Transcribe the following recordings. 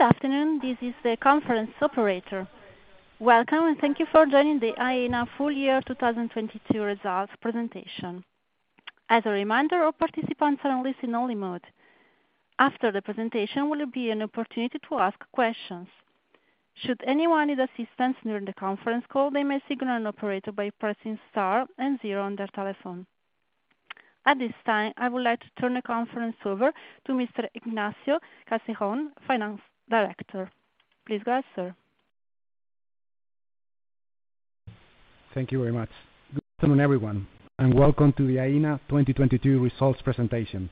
Good afternoon. This is the conference operator. Welcome, and thank you for joining the Aena full-year 2022 results presentation. As a reminder, all participants are in listen-only mode. After the presentation will be an opportunity to ask questions. Should anyone need assistance during the conference call, they may signal an operator by pressing star and zero on their telephone. At this time, I would like to turn the conference over to Mr. Ignacio Castejón, finance director. Please go ahead, sir. Thank you very much. Good afternoon, everyone, welcome to the Aena 2022 results presentation.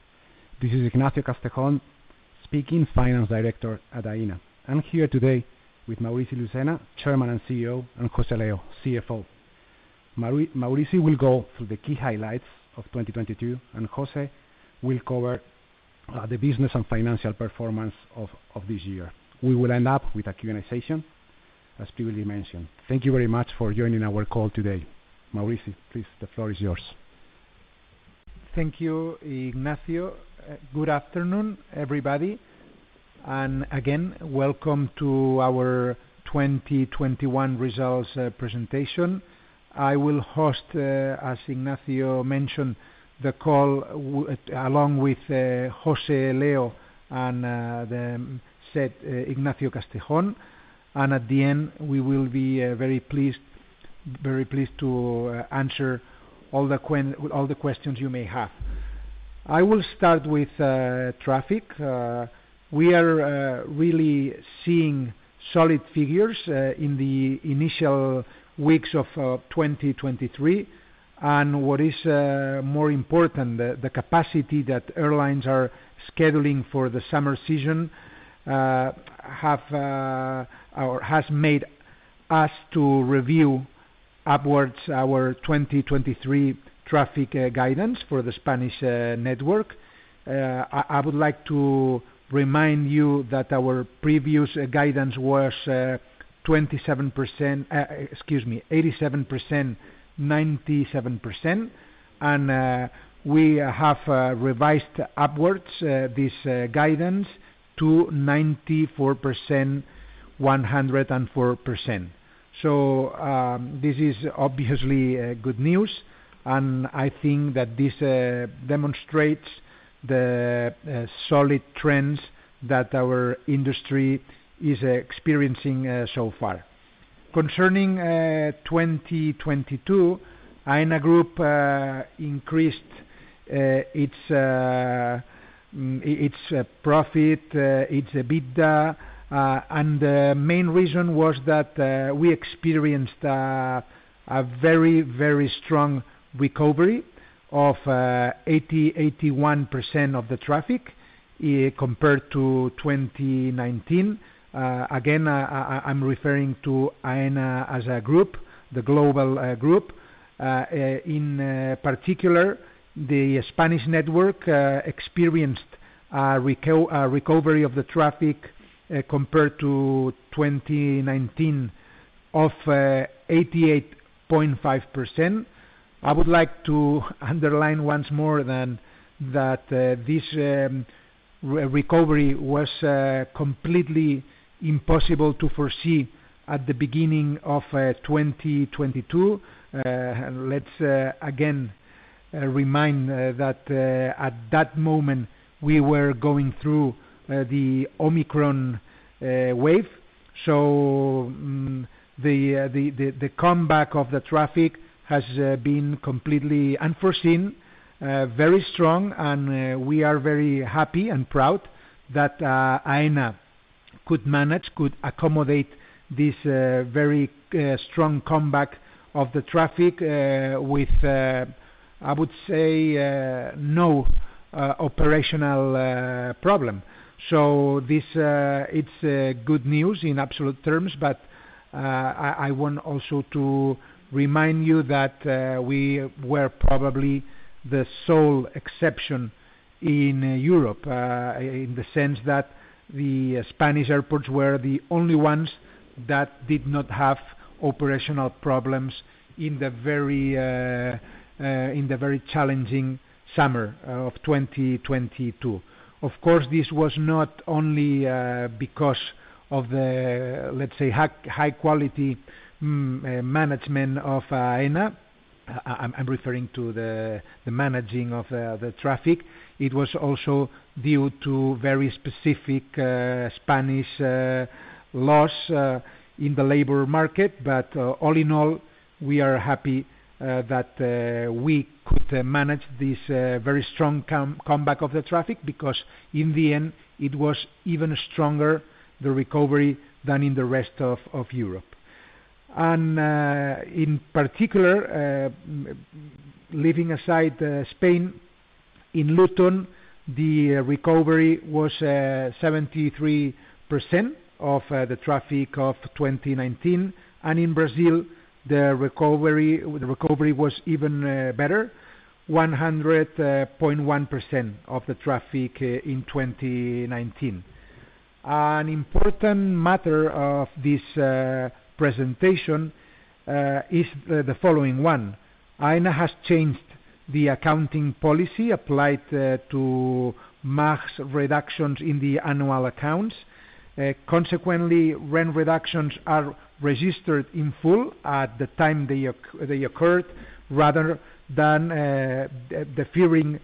This is Ignacio Castejón, speaking Finance Director at Aena. I'm here today with Maurici Lucena, Chairman and CEO, and José Leo, CFO. Mauric will go through the key highlights of 2022, José will cover the business and financial performance of this year. We will end up with a Q&A session, as previously mentioned. Thank you very much for joining our call today. Maurici, please, the floor is yours. Thank you, Ignacio. Good afternoon, everybody. Again, welcome to our 2021 results presentation. I will host, as Ignacio mentioned, the call along with José Leo and the said Ignacio Castejón. At the end, we will be very pleased to answer all the questions you may have. I will start with traffic. We are really seeing solid figures in the initial weeks of 2023. What is more important, the capacity that airlines are scheduling for the summer season have or has made us to review upwards our 2023 traffic guidance for the Spanish network. I would like to remind you that our previous guidance was 27%... Excuse me, 87%, 97%. We have revised upwards this guidance to 94%, 104%. This is obviously good news, and I think that this demonstrates the solid trends that our industry is experiencing so far. Concerning 2022, Aena Group increased its profit, its EBITDA. The main reason was that we experienced a very strong recovery of 81% of the traffic compared to 2019. Again, I'm referring to Aena as a group, the global group. In particular, the Spanish network experienced a recovery of the traffic compared to 2019 of 88.5%. I would like to underline once more than that, this recovery was completely impossible to foresee at the beginning of 2022. Let's again remind that at that moment, we were going through the Omicron wave. The comeback of the traffic has been completely unforeseen, very strong, and we are very happy and proud that Aena could manage, could accommodate this very strong comeback of the traffic with I would say no operational problem. This, it's good news in absolute terms, I want also to remind you that we were probably the sole exception in Europe, in the sense that the Spanish airports were the only ones that did not have operational problems in the very challenging summer of 2022. Of course, this was not only because of the, let's say, high-quality management of Aena. I'm referring to the managing of the traffic. It was also due to very specific Spanish laws in the labor market. All in all, we are happy that we could manage this very strong comeback of the traffic, because in the end, it was even stronger, the recovery, than in the rest of Europe. In particular, leaving aside Spain, in Luton, the recovery was 73% of the traffic of 2019. In Brazil, the recovery was even better, 100.1% of the traffic in 2019. An important matter of this presentation is the following one. Aena has changed the accounting policy applied to MAGs reductions in the annual accounts. Consequently, rent reductions are registered in full at the time they occurred, rather than deferring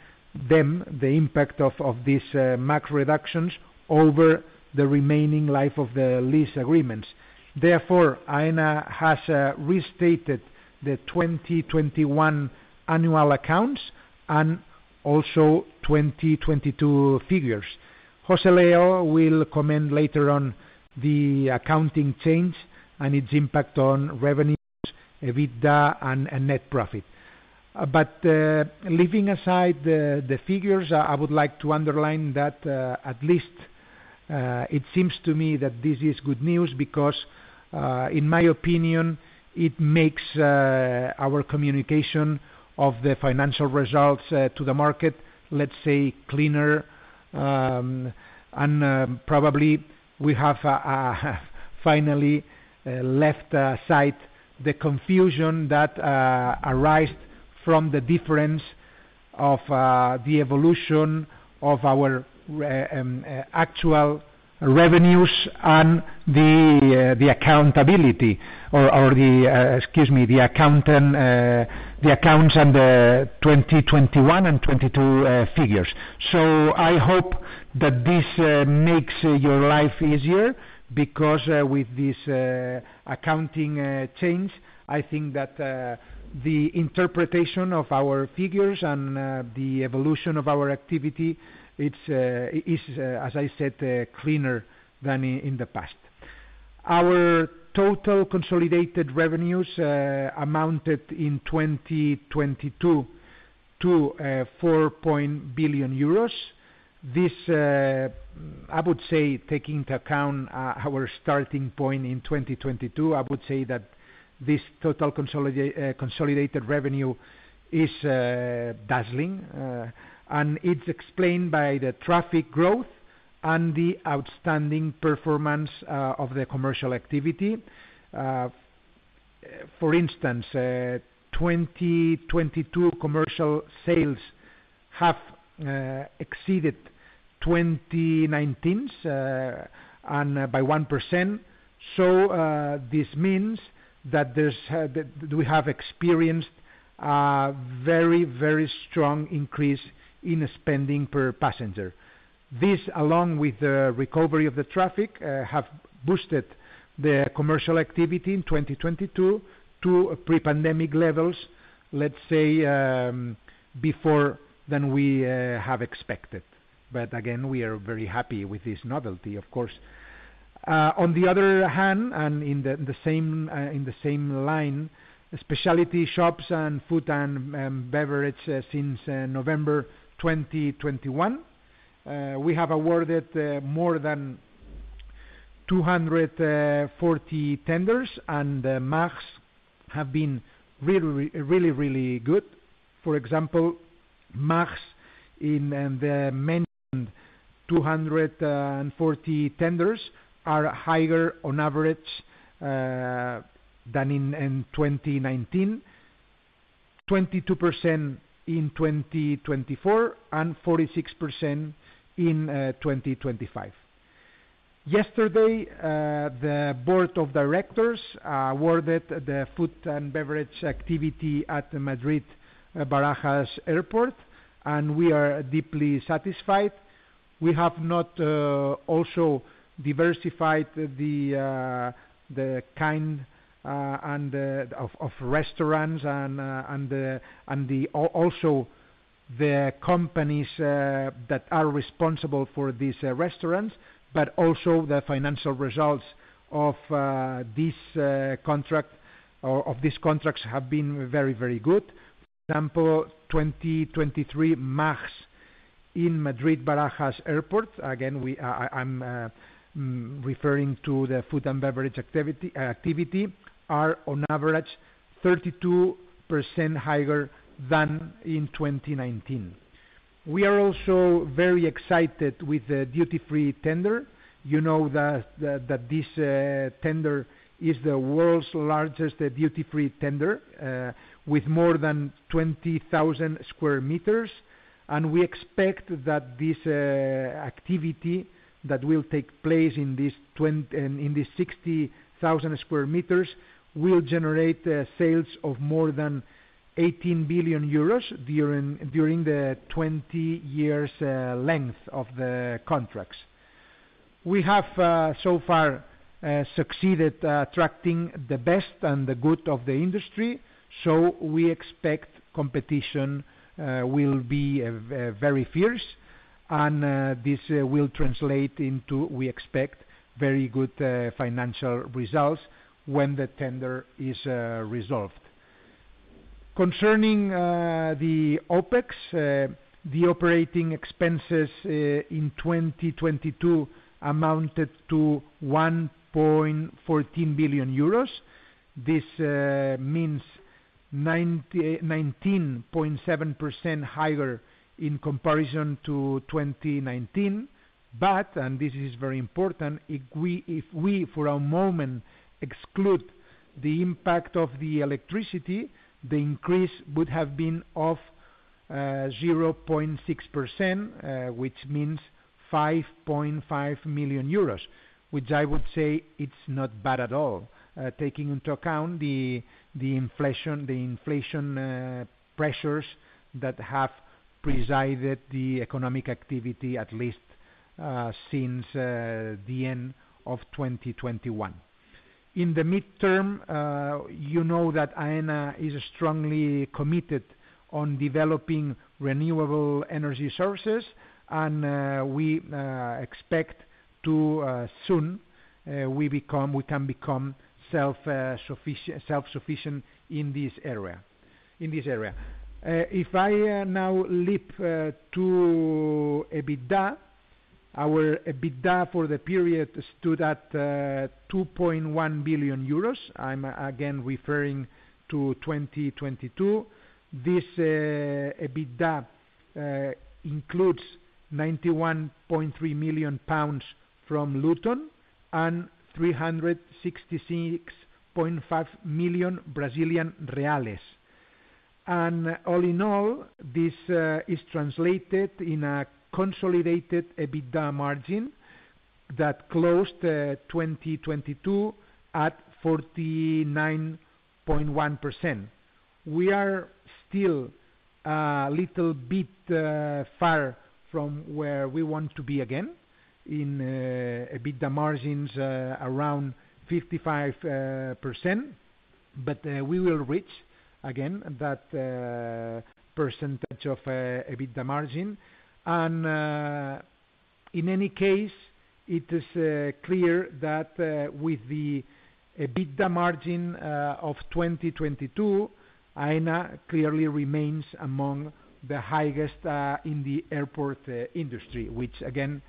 them, the impact of these MAG reductions over the remaining life of the lease agreements. Therefore, Aena has restated the 2021 annual accounts and also 2022 figures. José Leo will comment later on the accounting change and its impact on revenues, EBITDA and net profit. Leaving aside the figures, I would like to underline that, at least, it seems to me that this is good news because, in my opinion, it makes our communication of the financial results to the market, let's say, cleaner. Probably we have finally left aside the confusion that arised from the difference of the evolution of our actual revenues and the accountability or the, excuse me, the accountant, the accounts and the 2021 and 2022 figures. I hope that this makes your life easier because, with this accounting change, I think that the interpretation of our figures and the evolution of our activity is, as I said, cleaner than in the past. Our total consolidated revenues amounted in 2022 to 4 billion euros. This, I would say, taking into account our starting point in 2022, I would say that this total consolidated revenue is dazzling. It's explained by the traffic growth and the outstanding performance of the commercial activity. For instance, 2022 commercial sales have exceeded 2019's, and by 1%. This means that there's that we have experienced a very, very strong increase in spending per passenger. This, along with the recovery of the traffic, have boosted the commercial activity in 2022 to pre-pandemic levels, let's say, before than we have expected. Again, we are very happy with this novelty, of course. On the other hand, in the same line, speciality shops and food and beverage since November 2021, we have awarded more than 240 tenders, and the MAGs have been really good. For example, MAGs in the mentioned 240 tenders are higher on average than in 2019, 22% in 2024, and 46% in 2025. Yesterday, the board of directors awarded the food and beverage activity at the Madrid Barajas Airport, and we are deeply satisfied. We have not also diversified the kind and the... of restaurants and also the companies that are responsible for these restaurants, but also the financial results of this contract or of these contracts have been very, very good. For example, 2023 MAGs in Madrid Barajas Airport, again, we, I'm referring to the food and beverage activity, are on average 32% higher than in 2019. We are also very excited with the duty-free tender. You know that this tender is the world's largest duty-free tender with more than 20,000 sq m. We expect that this activity that will take place in this 60,000 square meters will generate sales of more than 18 billion euros during the 20 years length of the contracts. We have so far succeeded attracting the best and the good of the industry. We expect competition will be very fierce and this will translate into, we expect, very good financial results when the tender is resolved. Concerning the OpEx, the operating expenses in 2022 amounted to 1.14 billion euros. This means 19.7% higher in comparison to 2019. This is very important, if we, for a moment, exclude the impact of the electricity, the increase would have been 0.6%, which means 5.5 million euros, which I would say it's not bad at all, taking into account the inflation pressures that have presided the economic activity at least since the end of 2021. In the midterm, you know that Aena is strongly committed on developing renewable energy sources. We expect to soon we can become self-sufficient in this area. If I now leap to EBITDA, our EBITDA for the period stood at 2.1 billion euros. I'm again referring to 2022. This EBITDA includes 91.3 million pounds from Luton and 366.5 million. All in all, this is translated in a consolidated EBITDA margin that closed 2022 at 49.1%. We are still a little bit far from where we want to be again in EBITDA margins around 55%. We will reach again that percentage of EBITDA margin. In any case, it is clear that with the EBITDA margin of 2022, Aena clearly remains among the highest in the airport industry, which again,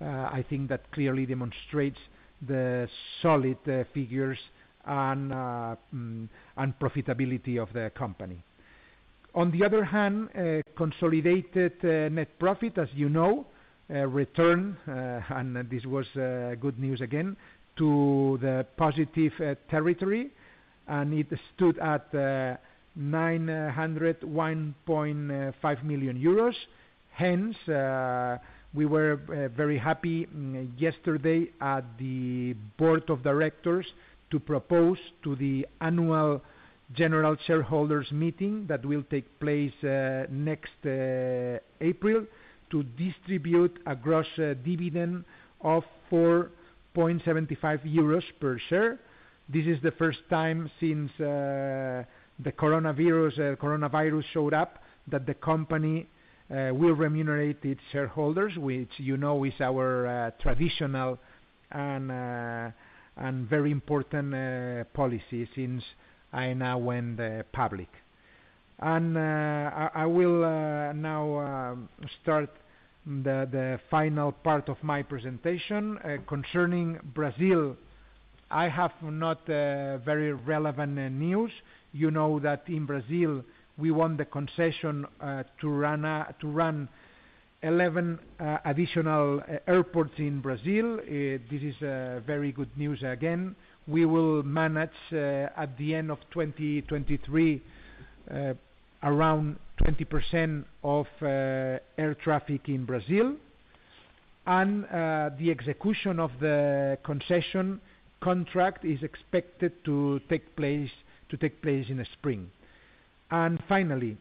I think that clearly demonstrates the solid figures and profitability of the company. On the other hand, consolidated net profit, as you know, return, and this was good news again, to the positive territory, and it stood at 901.5 million euros. We were very happy yesterday at the board of directors to propose to the annual general shareholders meeting that will take place next April to distribute a gross dividend of 4.75 euros per share. This is the first time since the coronavirus showed up that the company will remunerate its shareholders, which, you know, is our traditional and very important policy since Aena went public. I will now start the final part of my presentation. Concerning Brazil, I have not very relevant news. You know that in Brazil we won the concession to run 11 additional airports in Brazil. This is very good news again. We will manage at the end of 2023 around 20% of air traffic in Brazil. The execution of the concession contract is expected to take place in the spring. Finally,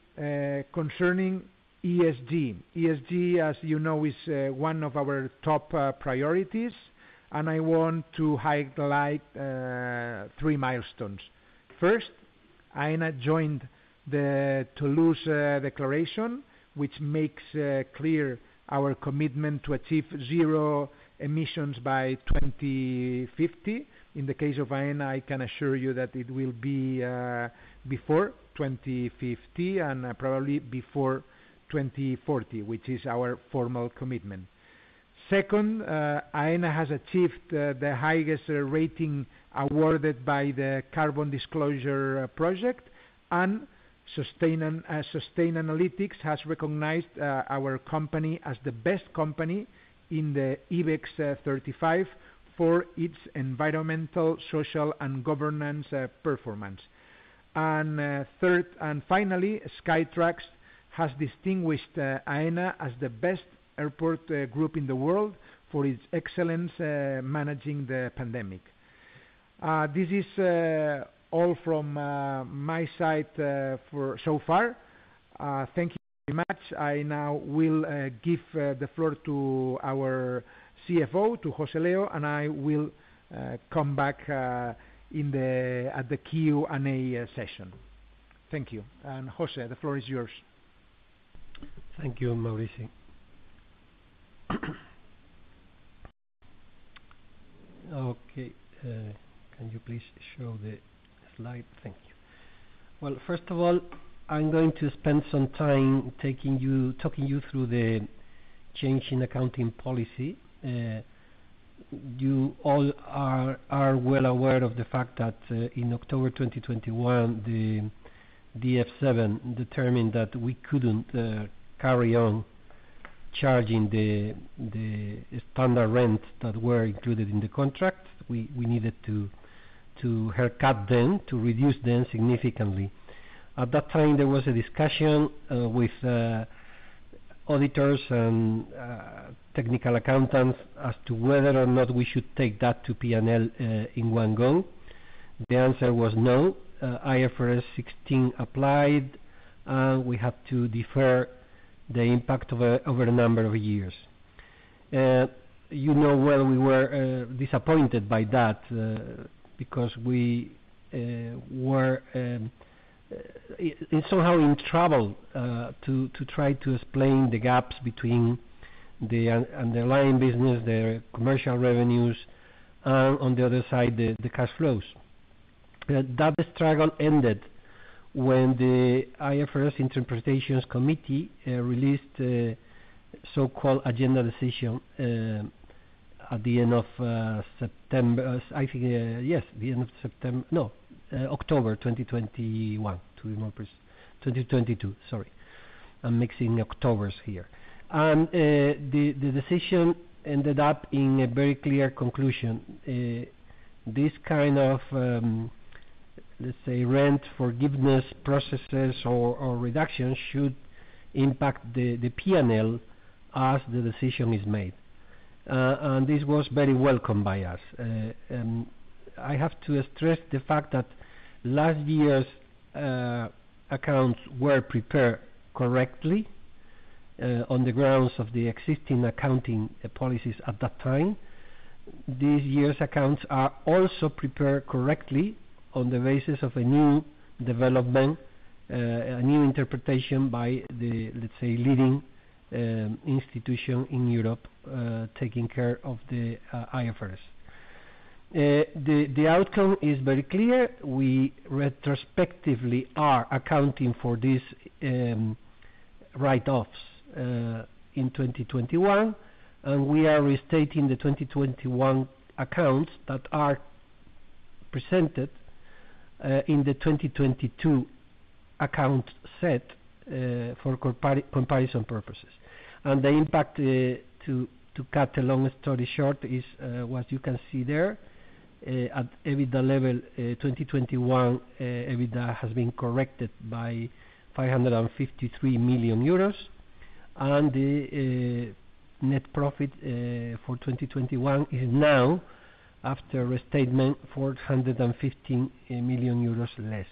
concerning ESG. ESG, as you know, is one of our top priorities. I want to highlight three milestones. First, Aena joined the Toulouse Declaration, which makes clear our commitment to achieve zero emissions by 2050. In the case of Aena, I can assure you that it will be before 2050 and probably before 2040, which is our formal commitment. Second, Aena has achieved the highest rating awarded by the Carbon Disclosure Project and Sustainalytics has recognized our company as the best company in the IBEX 35 for its environmental, social and governance performance. Third and finally, Skytrax has distinguished Aena as the best airport group in the world for its excellence managing the pandemic. This is all from my side for so far. Thank you very much. I now will give the floor to our CFO, to José Leo, and I will come back at the Q&A session. Thank you. José, the floor is yours. Thank you, Maurici. Okay. Can you please show the slide? Thank you. Well, first of all, I'm going to spend some time talking you through the change in accounting policy. You all are well aware of the fact that in October 2021, the DF7 determined that we couldn't carry on charging the standard rent that were included in the contract, we needed to haircut them, to reduce them significantly. At that time, there was a discussion with auditors and technical accountants as to whether or not we should take that to P&L in one go. The answer was no. IFRS 16 applied. We had to defer the impact over a number of years. You know well we were disappointed by that because we were somehow in trouble to try to explain the gaps between the underlying business, the commercial revenues, and on the other side, the cash flows. That struggle ended when the IFRS Interpretations Committee released the so-called agenda decision at the end of September, I think. Yes, the end of September. October 2021. To be more 2022. Sorry, I'm mixing Octobers here. The decision ended up in a very clear conclusion. This kind of, let's say, rent forgiveness processes or reductions should impact the P&L as the decision is made. This was very welcome by us. I have to stress the fact that last year's accounts were prepared correctly on the grounds of the existing accounting policies at that time. This year's accounts are also prepared correctly on the basis of a new development, a new interpretation by the, let's say, leading institution in Europe, taking care of the IFRS. The outcome is very clear. We retrospectively are accounting for these write-offs in 2021, and we are restating the 2021 accounts that are presented in the 2022 account set for comparison purposes. The impact, to cut a long story short, is what you can see there. At EBITDA level, 2021, EBITDA has been corrected by 553 million euros. The net profit for 2021 is now, after restatement, 415 million euros less.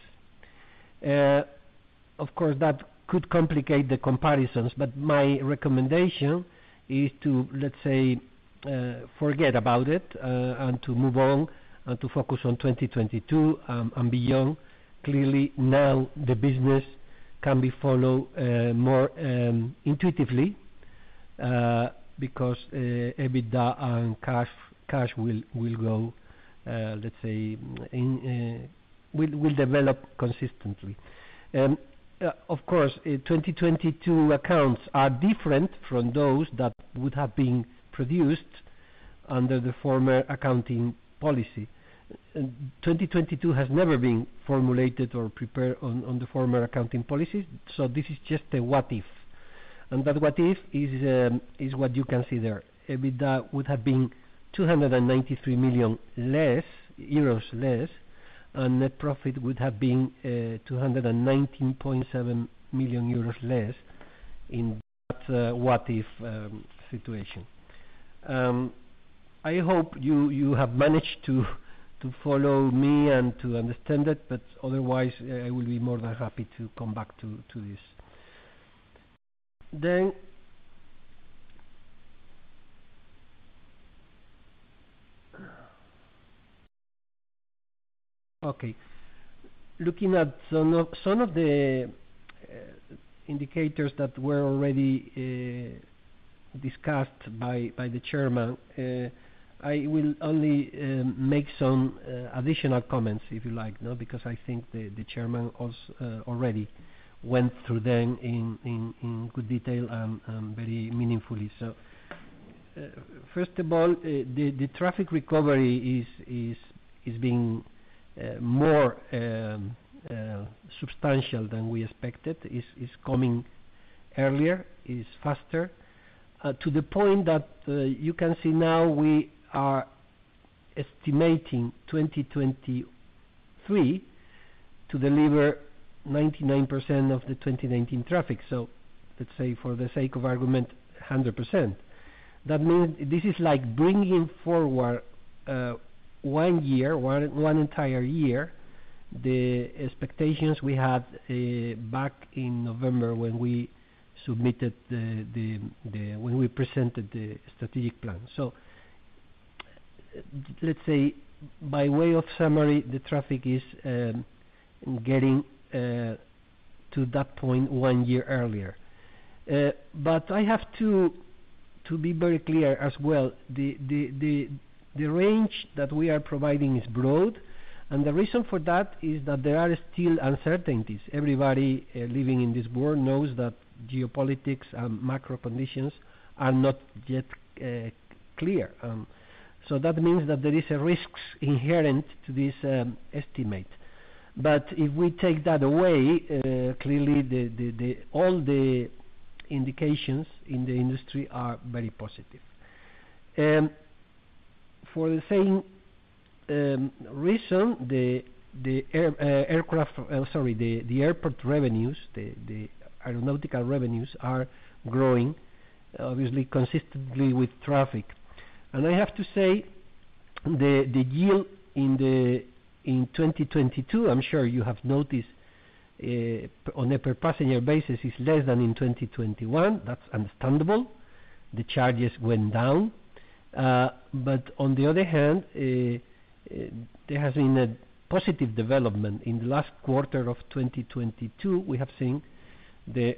That could complicate the comparisons, but my recommendation is to, let's say, forget about it, and to move on and to focus on 2022 and beyond. Now the business can be followed more intuitively because EBITDA and cash will go, let's say, will develop consistently. 2022 accounts are different from those that would have been produced under the former accounting policy. 2022 has never been formulated or prepared on the former accounting policy. This is just a what if. That what if is what you can see there. EBITDA would have been 293 million less, euros less, and net profit would have been 219.7 million euros less in that what if situation. I hope you have managed to follow me and to understand it, but otherwise, I will be more than happy to come back to this. Okay. Looking at some of the indicators that were already discussed by the Chairman, I will only make some additional comments, if you like. No? I think the Chairman already went through them in good detail and very meaningfully. First of all, the traffic recovery is being more substantial than we expected. Is coming earlier, is faster to the point that you can see now we are estimating 2023 to deliver 99% of the 2019 traffic. Let's say, for the sake of argument, 100%. That means this is like bringing forward one year, one entire year, the expectations we had back in November when we presented the strategic plan. Let's say, by way of summary, the traffic is getting to that point one year earlier. I have to be very clear as well. The range that we are providing is broad, and the reason for that is that there are still uncertainties. Everybody living in this world knows that geopolitics and macro conditions are not yet clear. That means that there is risks inherent to this estimate. If we take that away, clearly all the indications in the industry are very positive. For the same reason, the airport revenues, the aeronautical revenues are growing obviously consistently with traffic. I have to say the yield in 2022, I'm sure you have noticed, on a per passenger basis is less than in 2021. That's understandable. The charges went down. On the other hand, there has been a positive development. In the last quarter of 2022, we have seen the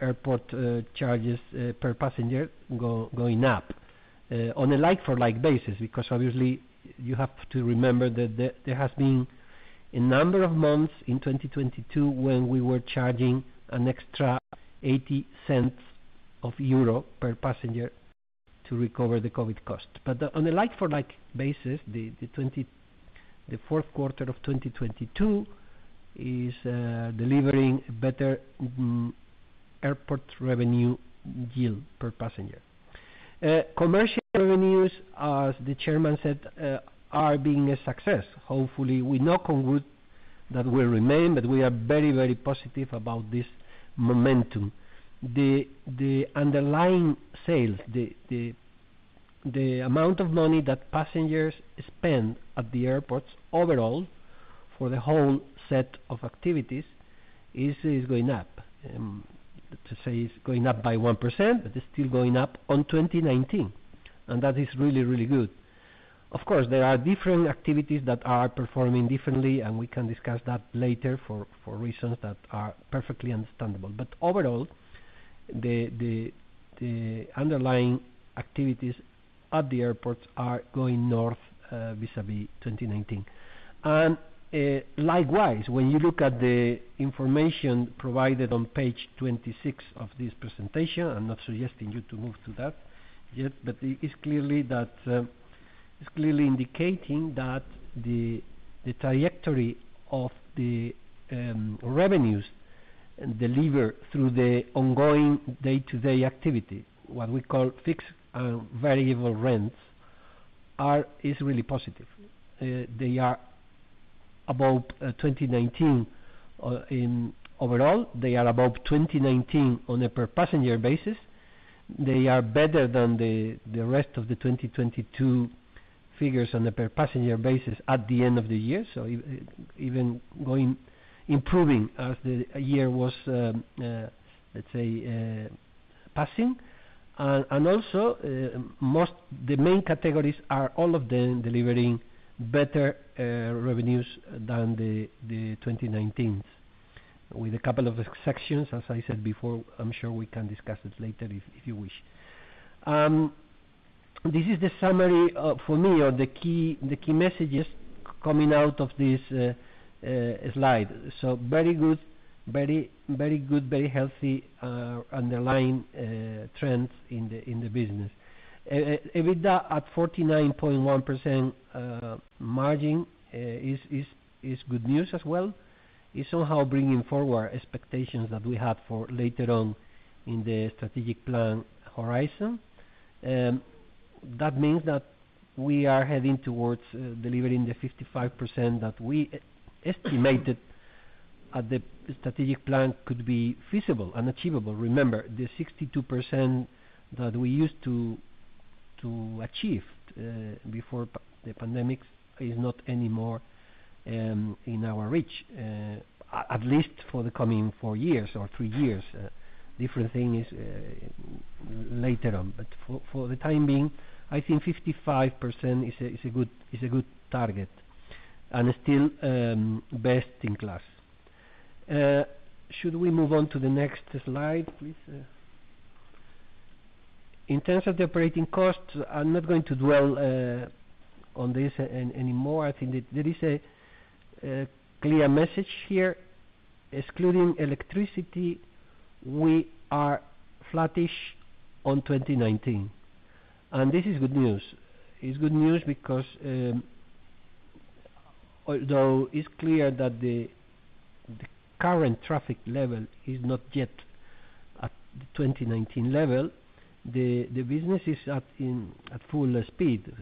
airport charges per passenger going up on a like-for-like basis, because obviously you have to remember that there has been a number of months in 2022 when we were charging an extra 0.80 per passenger to recover the COVID costs. On a like-for-like basis, the fourth quarter of 2022 is delivering better airport revenue yield per passenger. Commercial revenues, as the Chairman said, are being a success. Hopefully, we knock on wood that will remain, but we are very, very positive about this momentum. The underlying sales, the amount of money that passengers spend at the airports overall for the whole set of activities is going up. To say it's going up by 1%, but it's still going up on 2019, and that is really, really good. Of course, there are different activities that are performing differently, and we can discuss that later for reasons that are perfectly understandable. Overall, the, the underlying activities at the airports are going north vis-à-vis 2019. Likewise, when you look at the information provided on page 26 of this presentation, I'm not suggesting you to move to that yet, it's clearly indicating that the trajectory of the revenues delivered through the ongoing day-to-day activity, what we call fixed and variable rents, is really positive. They are above 2019 in overall. They are above 2019 on a per passenger basis. They are better than the rest of the 2022 figures on a per passenger basis at the end of the year. Even improving as the year was passing. Also, the main categories are all of them delivering better revenues than the 2019's with a couple of exceptions, as I said before. I'm sure we can discuss it later if you wish. This is the summary for me of the key messages coming out of this slide. Very good, very healthy underlying trends in the business. EBITDA at 49.1% margin is good news as well, is somehow bringing forward our expectations that we have for later on in the strategic plan horizon. That means that we are heading towards delivering the 55% that we estimated at the strategic plan could be feasible and achievable. Remember, the 62% that we used to achieve before the pandemic is not anymore in our reach, at least for the coming four years or three years. Different thing is later on. For the time being, I think 55% is a good target and still best in class. Should we move on to the next slide, please? In terms of the operating costs, I'm not going to dwell on this anymore. I think that there is a clear message here. Excluding electricity, we are flattish on 2019. This is good news. It's good news because, although it's clear that the current traffic level is not yet at the 2019 level, the business is at full speed,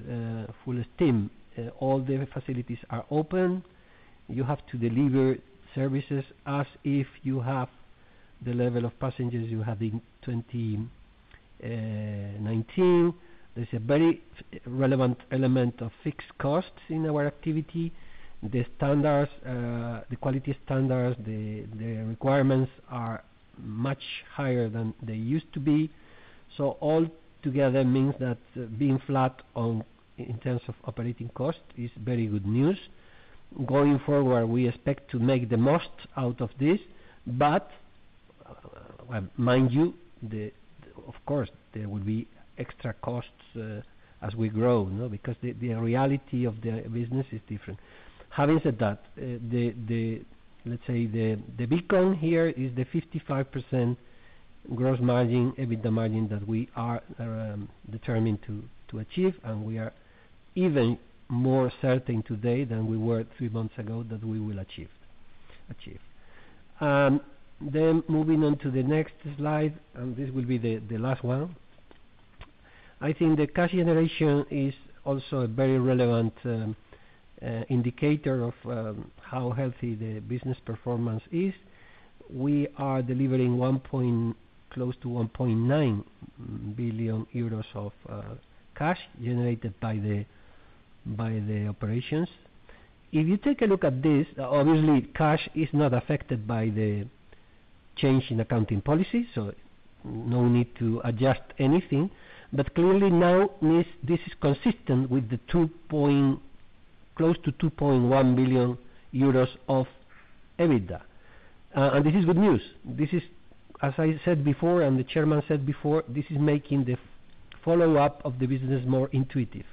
full steam. All the facilities are open. You have to deliver services as if you have the level of passengers you had in 2019. There's a very relevant element of fixed costs in our activity. The standards, the quality standards, the requirements are much higher than they used to be. All together means that being flat in terms of operating costs is very good news. Going forward, we expect to make the most out of this, mind you, of course, there will be extra costs as we grow, no? The reality of the business is different. Having said that, Let's say the big one here is the 55% gross margin, EBITDA margin that we are determined to achieve, and we are even more certain today than we were three months ago that we will achieve. Moving on to the next slide, and this will be the last one. I think the cash generation is also a very relevant indicator of how healthy the business performance is. We are delivering close to 1.9 billion euros of cash generated by the operations. If you take a look at this, obviously, cash is not affected by the change in accounting policy, no need to adjust anything. Clearly now this is consistent with the close to 2.1 billion euros of EBITDA. This is good news. This is, as I said before, and the Chairman said before, this is making the follow-up of the business more intuitive.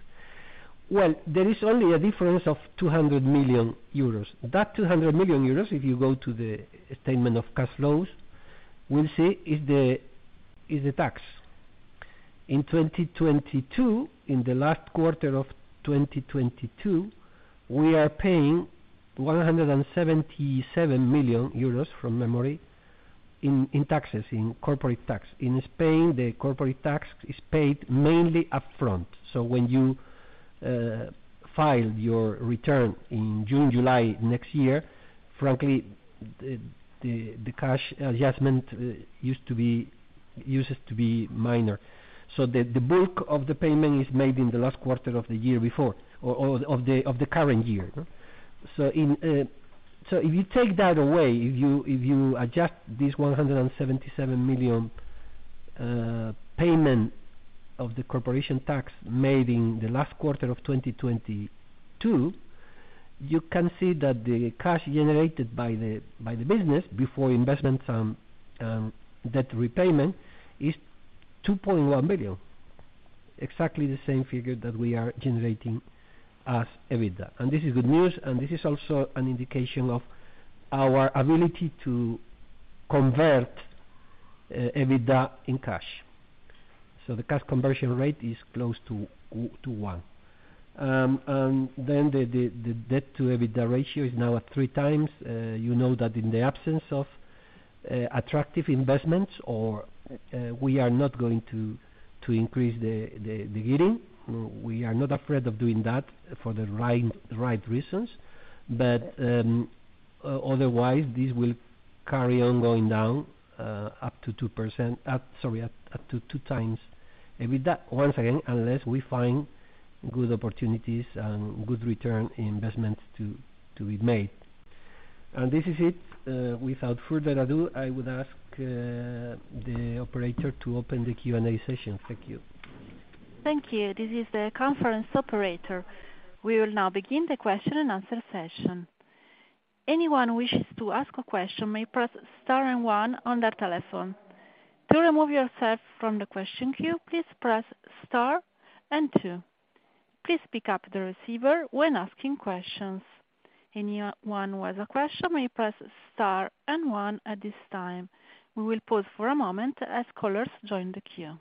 Well, there is only a difference of 200 million euros. That 200 million euros, if you go to the statement of cash flows, we'll see is the tax. In 2022, in the last quarter of 2022, we are paying 177 million euros from memory in taxes, in corporate tax. In Spain, the corporate tax is paid mainly upfront. When you file your return in June, July next year, frankly, the cash adjustment uses to be minor. The bulk of the payment is made in the last quarter of the year before or of the current year. In, if you adjust this 177 million payment of the corporation tax made in the last Q4 of 2022, you can see that the cash generated by the business before investments and debt repayment is 2.1 billion. Exactly the same figure that we are generating as EBITDA. This is good news, and this is also an indication of our ability to convert EBITDA in cash. The cash conversion rate is close to one. The debt to EBITDA ratio is now at 3x. You know that in the absence of attractive investments or we are not going to increase the gearing. We are not afraid of doing that for the right reasons. Otherwise, this will carry on going down, up to 2%, sorry, up to 2x EBITDA. Once again, unless we find good opportunities and good return investment to be made. This is it. Without further ado, I would ask the operator to open the Q&A session. Thank you. Thank you. This is the conference operator. We will now begin the question and answer session. Anyone who wishes to ask a question may press star and one on their telephone. To remove yourself from the question queue, please press star and two. Please pick up the receiver when asking questions. Anyone who has a question may press star and one at this time. We will pause for a moment as callers join the queue.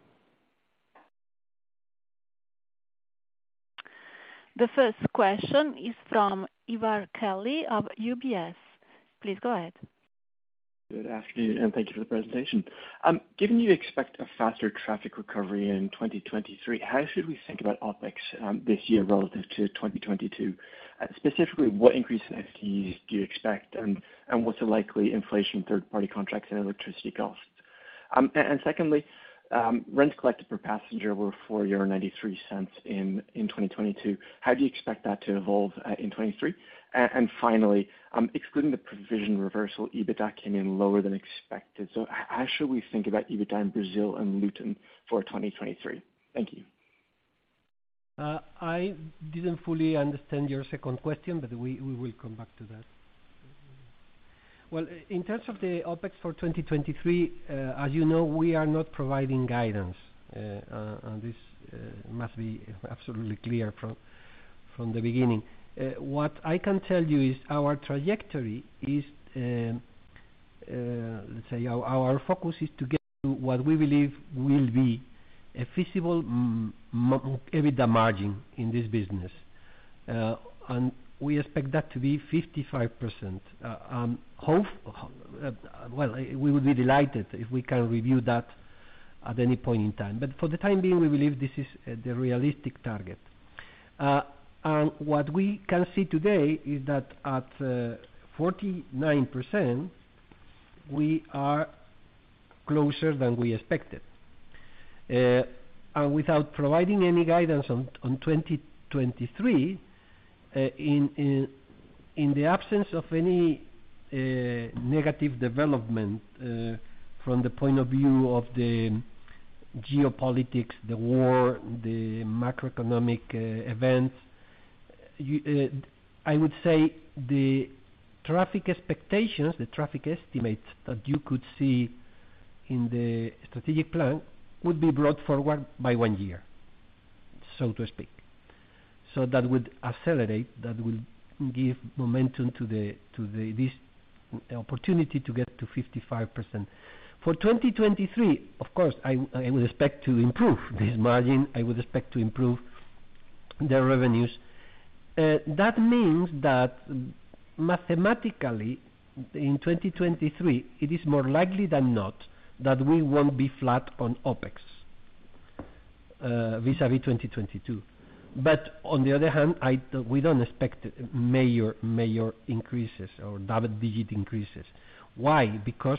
The first question is from Ivar Kelly of UBS. Please go ahead. Good afternoon, thank you for the presentation. Given you expect a faster traffic recovery in 2023, how should we think about OpEx this year relative to 2022? Specifically, what increase in FTEs do you expect, and what's the likely inflation third party contracts and electricity costs? Secondly, rents collected per passenger were 4.93 euro in 2022. How do you expect that to evolve in 2023? Finally, excluding the provision reversal, EBITDA came in lower than expected. How should we think about EBITDA in Brazil and Luton for 2023? Thank you. I didn't fully understand your second question, we will come back to that. Well, in terms of the OpEx for 2023, as you know, we are not providing guidance. This must be absolutely clear from the beginning. What I can tell you is our trajectory is, let's say our focus is to get to what we believe will be a feasible EBITDA margin in this business. We expect that to be 55%. Well, we would be delighted if we can review that at any point in time. For the time being, we believe this is the realistic target. What we can see today is that at 49%, we are closer than we expected. Without providing any guidance on 2023, in the absence of any negative development from the point of view of the geopolitics, the war, the macroeconomic events, I would say the traffic expectations, the traffic estimates that you could see in the strategic plan would be brought forward by one year. So to speak. That would accelerate, that would give momentum to this opportunity to get to 55%. For 2023, of course, I would expect to improve this margin, I would expect to improve the revenues. That means that mathematically in 2023, it is more likely than not that we won't be flat on OpEx vis-à-vis 2022. But on the other hand, we don't expect major increases or double-digit increases. Why? Because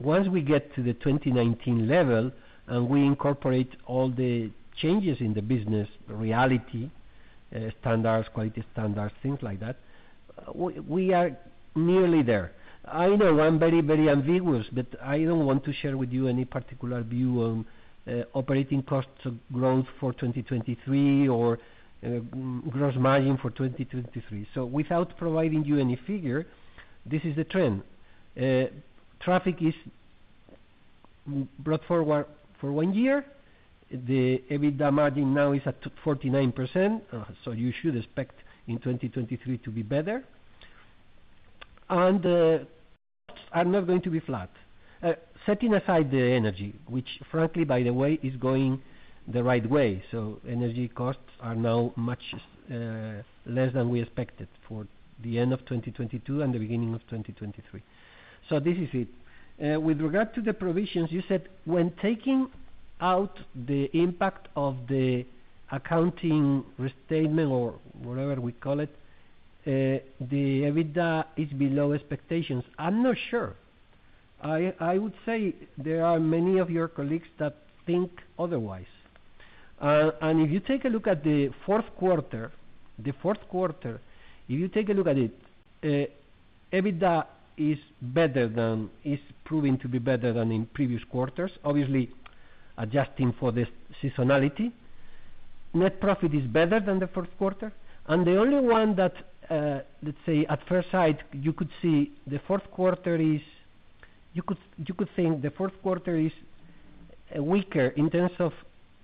once we get to the 2019 level and we incorporate all the changes in the business reality, standards, quality standards, things like that, we are nearly there. I know I'm very ambiguous, but I don't want to share with you any particular view on operating costs of growth for 2023 or gross margin for 2023. Without providing you any figure, this is the trend. Traffic is brought forward for one year. The EBITDA margin now is at 49%, you should expect in 2023 to be better and are not going to be flat. Setting aside the energy, which frankly, by the way, is going the right way, energy costs are now much less than we expected for the end of 2022 and the beginning of 2023. This is it. With regard to the provisions, you said when taking out the impact of the accounting restatement or whatever we call it, the EBITDA is below expectations. I'm not sure. I would say there are many of your colleagues that think otherwise. If you take a look at the fourth quarter, if you take a look at it, EBITDA is better than is proving to be better than in previous quarters, obviously adjusting for the seasonality. Net profit is better than the fourth quarter. The only one that, let's say at first sight, you could see the fourth quarter is You could think the fourth quarter is weaker in terms of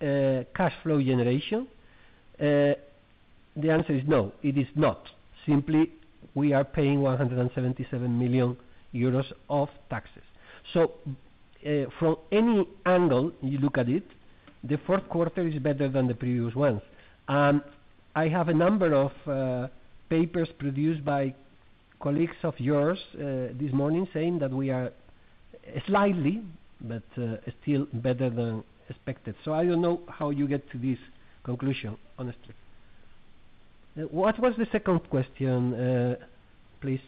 cash flow generation. The answer is no, it is not. Simply, we are paying 177 million euros of taxes. From any angle you look at it, the fourth quarter is better than the previous one. I have a number of papers produced by colleagues of yours this morning saying that we are slightly, but still better than expected. I don't know how you get to this conclusion, honestly. What was the second question, please?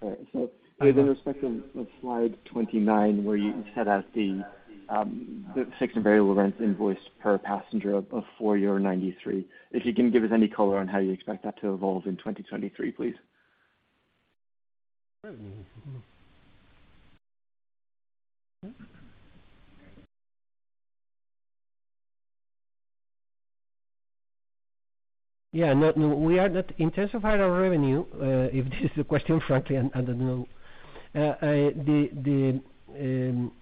All right. With respect to slide 29, where you set out the fixed and variable rents invoiced per passenger of 4.93 euro. If you can give us any color on how you expect that to evolve in 2023, please. No. In terms of higher revenue, if this is the question, frankly, I don't know.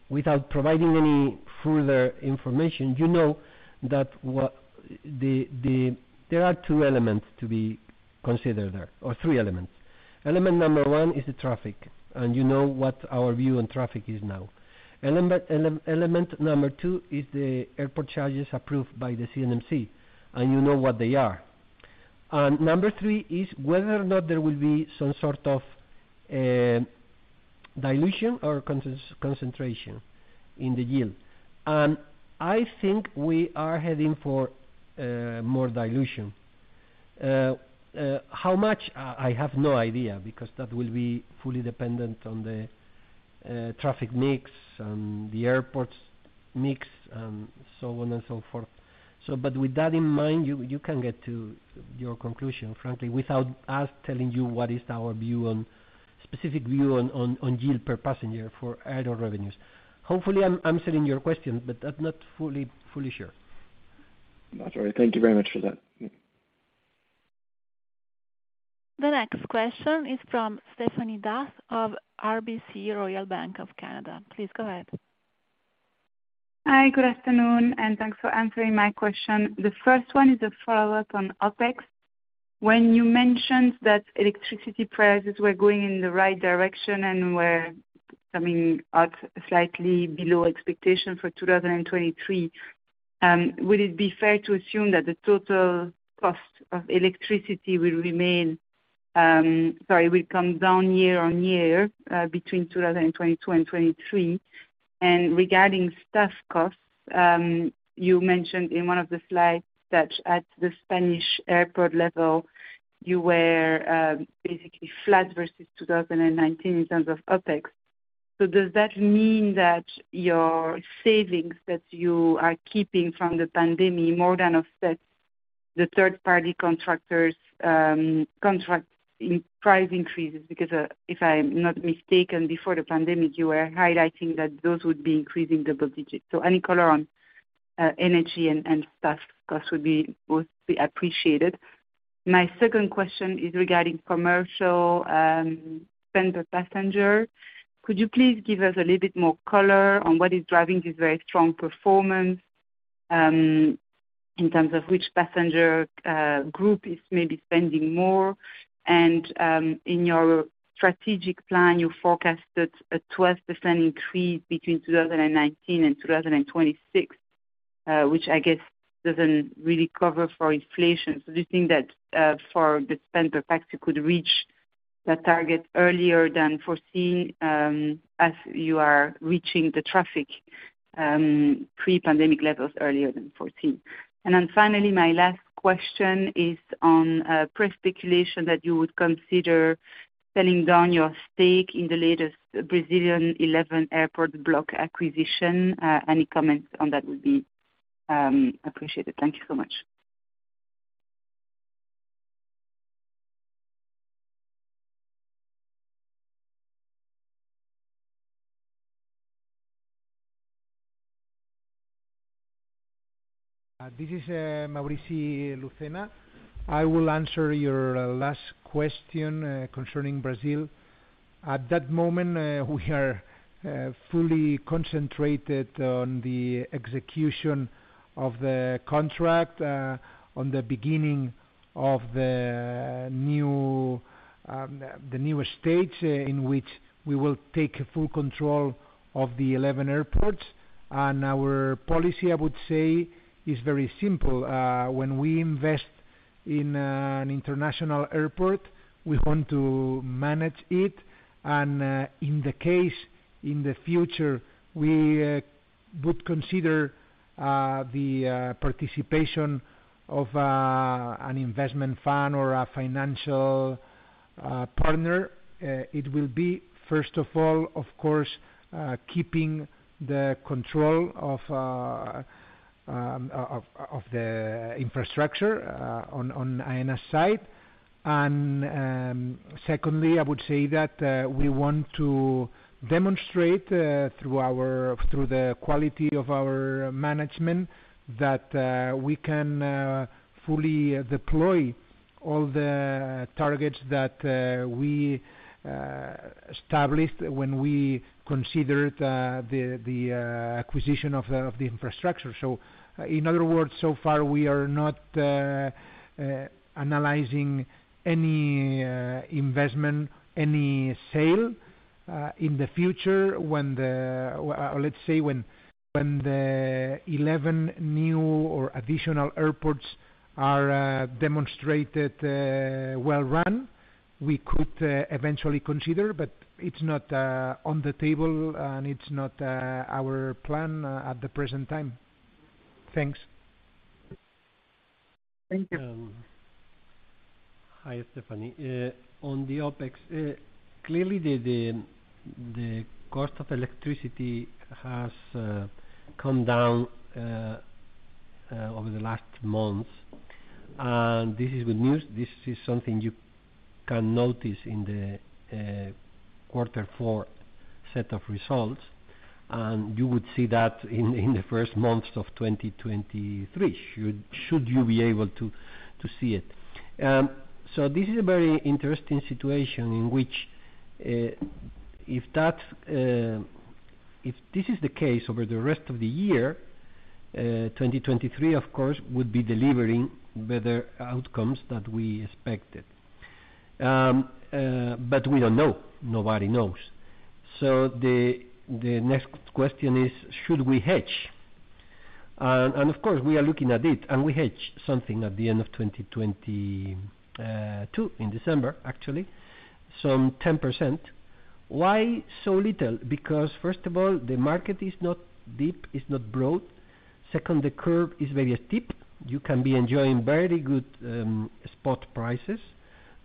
Without providing any further information, you know that there are two elements to be considered there, or three elements. Element number one is the traffic. You know what our view on traffic is now. Element number two is the airport charges approved by the CNMC. You know what they are. Number three is whether or not there will be some sort of dilution or concentration in the yield. I think we are heading for more dilution. How much? I have no idea, because that will be fully dependent on the traffic mix and the airports mix, and so on and so forth. With that in mind, you can get to your conclusion, frankly, without us telling you what is our view on, specific view on yield per passenger for aero revenues. Hopefully, I'm answering your question, but I'm not fully sure. That's all right. Thank you very much for that. The next question is from Stéphanie D'Ath of RBC Royal Bank of Canada. Please go ahead. Hi. Good afternoon, thanks for answering my question. The first one is a follow-up on OpEx. When you mentioned that electricity prices were going in the right direction and were coming out slightly below expectation for 2023, would it be fair to assume that the total cost of electricity will remain, sorry, will come down year-on-year between 2022 and 2023? Regarding staff costs, you mentioned in one of the slides that at the Spanish airport level, you were basically flat versus 2019 in terms of OpEx. Does that mean that your savings that you are keeping from the pandemic more than offset the third party contractors, contract in-price increases? If I'm not mistaken, before the pandemic, you were highlighting that those would be increasing double-digit. Any color on energy and staff costs would be appreciated. My second question is regarding commercial spend per passenger. Could you please give us a little bit more color on what is driving this very strong performance in terms of which passenger group is maybe spending more? In your strategic plan, you forecasted a 12% increase between 2019 and 2026, which I guess doesn't really cover for inflation. Do you think that for the spend per pax, you could reach that target earlier than foreseen, as you are reaching the traffic pre-pandemic levels earlier than foreseen? Finally, my last question is on press speculation that you would consider selling down your stake in the latest Brazilian 11 airport block acquisition. Any comments on that would be appreciated. Thank you so much. This is Maurici Lucena. I will answer your last question concerning Brazil. At that moment, we are fully concentrated on the execution of the contract on the beginning of the new stage in which we will take full control of the 11 airports. Our policy, I would say, is very simple. When we invest in an international airport, we want to manage it. In the case, in the future, we would consider the participation of an investment fund or a financial partner. It will be, first of all, of course, keeping the control of the infrastructure on Aena's side. Secondly, I would say that we want to demonstrate through our, through the quality of our management, that we can fully deploy all the targets that we established when we considered the acquisition of the infrastructure. In other words, so far we are not analyzing any investment, any sale in the future when the 11 new or additional airports are demonstrated well run, we could eventually consider, but it's not on the table, and it's not our plan at the present time. Thanks. Thank you. Hi, Stéphanie. On the OpEx, clearly the cost of electricity has come down over the last months, this is good news. This is something you can notice in the quarter four set of results, you would see that in the first months of 2023, should you be able to see it. This is a very interesting situation in which if that, if this is the case over the rest of the year, 2023 of course would be delivering better outcomes than we expected. We don't know. Nobody knows. The next question is, should we hedge? Of course, we are looking at it, we hedged something at the end of 2022, in December, actually, some 10%. Why so little? First of all, the market is not deep, it's not broad. Second, the curve is very steep. You can be enjoying very good spot prices,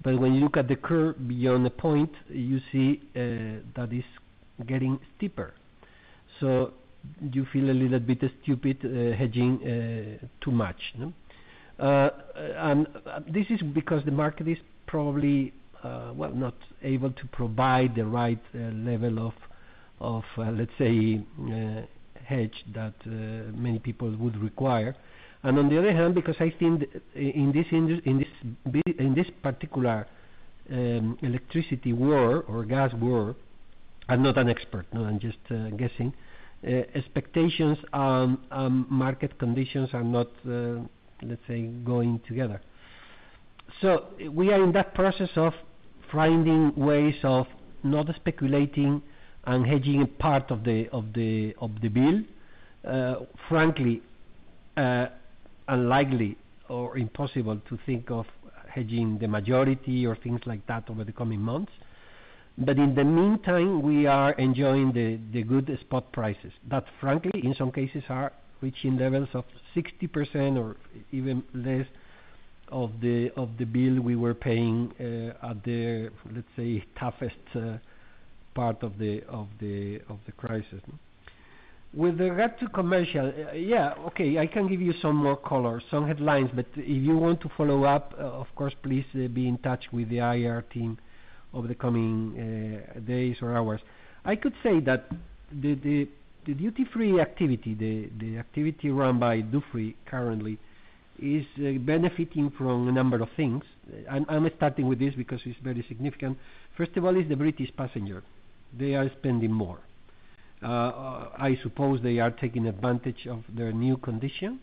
when you look at the curve beyond a point, you see that it's getting steeper. You feel a little bit stupid hedging too much, no? This is because the market is probably well, not able to provide the right level of, let's say, hedge that many people would require. On the other hand, I think in this particular electricity war or gas war, I'm not an expert, no, I'm just guessing expectations on market conditions are not, let's say, going together. We are in that process of finding ways of not speculating and hedging a part of the bill. Frankly, unlikely or impossible to think of hedging the majority or things like that over the coming months. In the meantime, we are enjoying the good spot prices that frankly, in some cases are reaching levels of 60% or even less of the bill we were paying at the, let's say, toughest part of the crisis. With regard to commercial, yeah, okay, I can give you some more color, some headlines, but if you want to follow up, of course, please be in touch with the IR team over the coming days or hours. I could say that the duty-free activity, the activity run by currently is benefiting from a number of things. I'm starting with this because it's very significant. First of all is the British passenger. They are spending more. I suppose they are taking advantage of their new condition,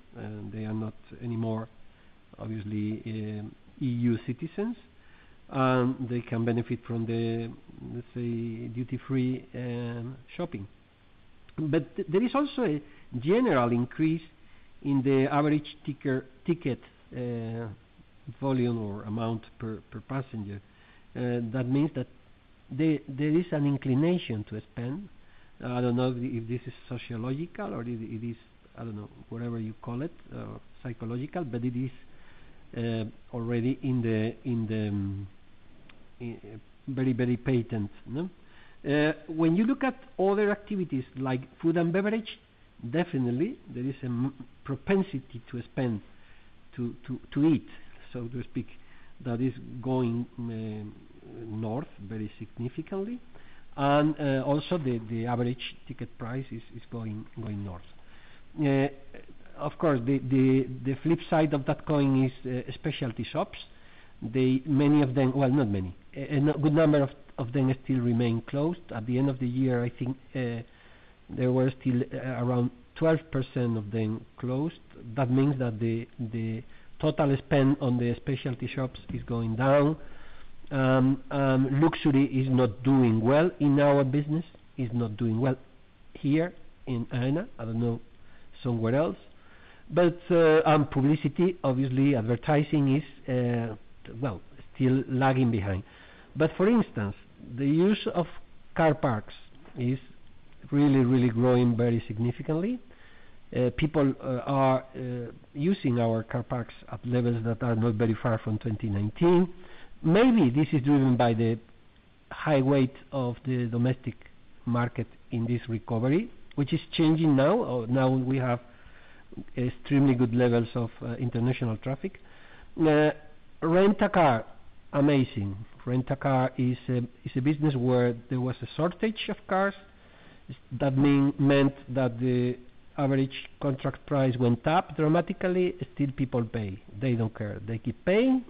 they are not anymore, obviously, E.U. citizens, and they can benefit from the, let's say, duty-free shopping. There is also a general increase in the average ticket volume or amount per passenger. That means that there is an inclination to spend. I don't know if this is sociological or it is, I don't know, whatever you call it, psychological, it is already in the very patent. When you look at other activities like food and beverage, definitely there is a propensity to spend, to eat, so to speak, that is going north very significantly. Also the average ticket price is going north. Of course, the flip side of that coin is specialty shops. Not many. A good number of them still remain closed. At the end of the year, I think, there were still around 12% of them closed. That means that the total spend on the specialty shops is going down. Luxury is not doing well in our business. It's not doing well here in Aena. I don't know, somewhere else. Publicity, obviously advertising is still lagging behind. For instance, the use of car parks is really growing very significantly. People are using our car parks at levels that are not very far from 2019. Maybe this is driven by the high weight of the domestic market in this recovery, which is changing now. Now we have extremely good levels of international traffic. Rent a car, amazing. Rent a car is a business where there was a shortage of cars. That meant that the average contract price went up dramatically. Still, people pay. They don't care. They keep paying.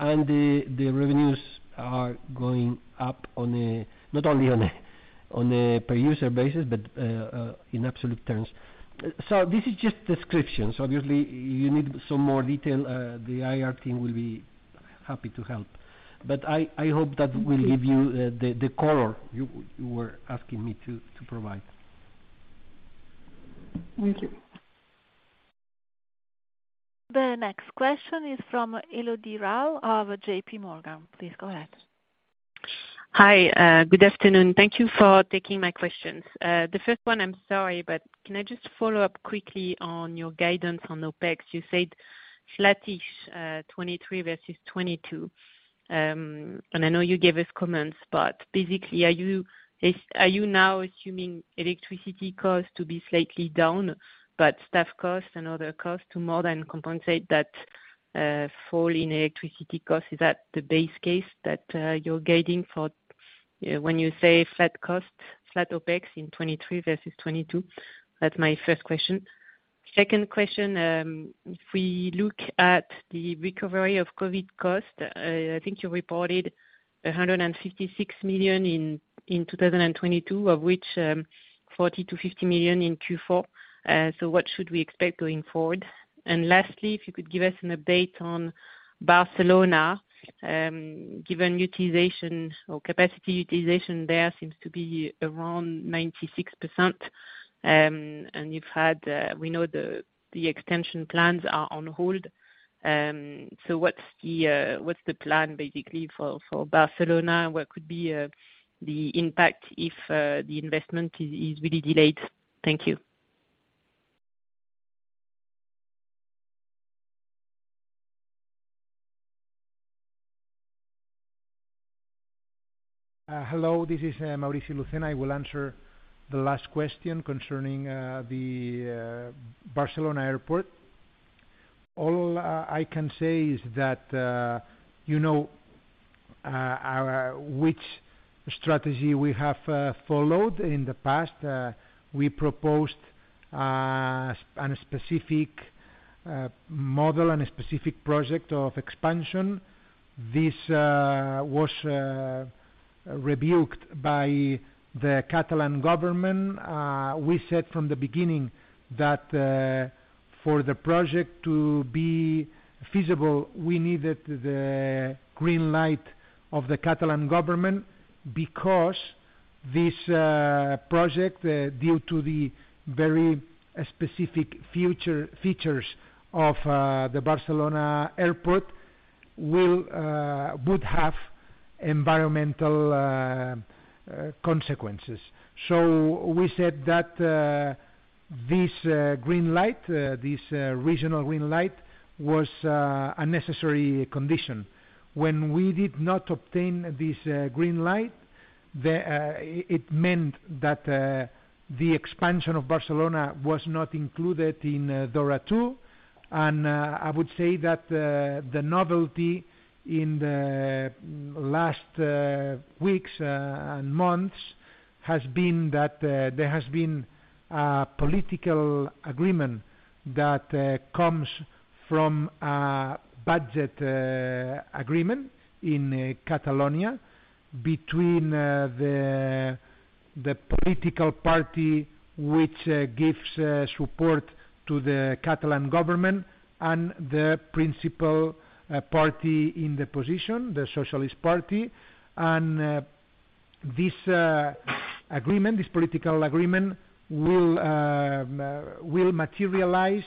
The revenues are going up not only on a per user basis, but in absolute terms. This is just descriptions. Obviously, you need some more detail. The IR team will be happy to help. I hope that will give you the color you were asking me to provide. Thank you. The next question is from Elodie Rall of JPMorgan. Please go ahead. Hi. Good afternoon. Thank you for taking my questions. The first one, I'm sorry, can I just follow up quickly on your guidance on OpEx? You said flattish, 2023 versus 2022. I know you gave us comments, basically, are you now assuming electricity costs to be slightly down, staff costs and other costs to more than compensate that fall in electricity cost? Is that the base case that you're guiding for when you say flat cost, flat OpEx in 2023 versus 2022? That's my first question. Second question, if we look at the recovery of COVID costs, I think you reported 156 million in 2022, of which, 40 million-50 million in Q4. What should we expect going forward? Lastly, if you could give us an update on Barcelona, given utilization or capacity utilization there seems to be around 96%. You've had, we know the extension plans are on hold. What's the plan basically for Barcelona? What could be the impact if the investment is really delayed? Thank you. Hello, this is Maurici Lucena. I will answer the last question concerning the Barcelona Airport. All I can say is that, you know, our which strategy we have followed in the past. We proposed a specific model and a specific project of expansion. This was rebuked by the Catalan government. We said from the beginning that for the project to be feasible, we needed the green light of the Catalan government because this project, due to the very specific future features of the Barcelona Airport, would have environmental consequences. We said that this green light, this regional green light was a necessary condition. When we did not obtain this green light, it meant that the expansion of Barcelona was not included in DORA II. I would say that the novelty in the last weeks and months has been that there has been a political agreement that comes from a budget agreement in Catalonia between the political party which gives support to the Catalan government and the principal party in the position, the Socialist Party. This agreement, this political agreement will materialize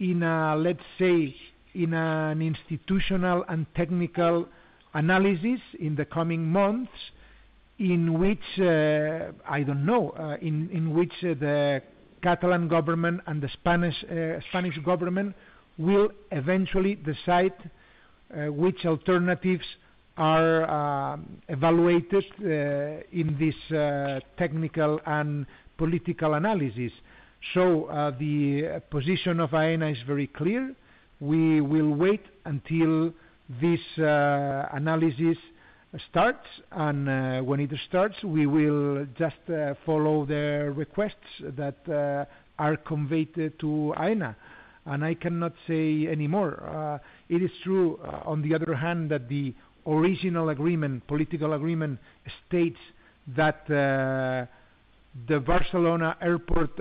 in an institutional and technical analysis in the coming months, in which the Catalan government and the Spanish government will eventually decide which alternatives are evaluated in this technical and political analysis. The position of Aena is very clear. We will wait until this analysis starts, when it starts, we will just follow the requests that are conveyed to Aena. I cannot say any more. It is true, on the other hand, that the original agreement, political agreement, states that the Barcelona Airport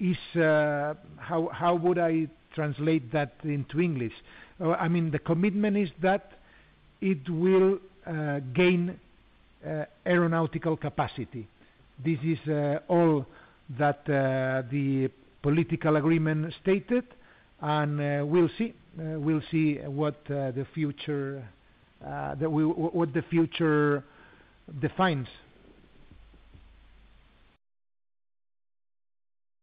is... How, how would I translate that into English? I mean, the commitment is that it will gain aeronautical capacity. This is all that the political agreement stated, and we'll see. We'll see what the future defines.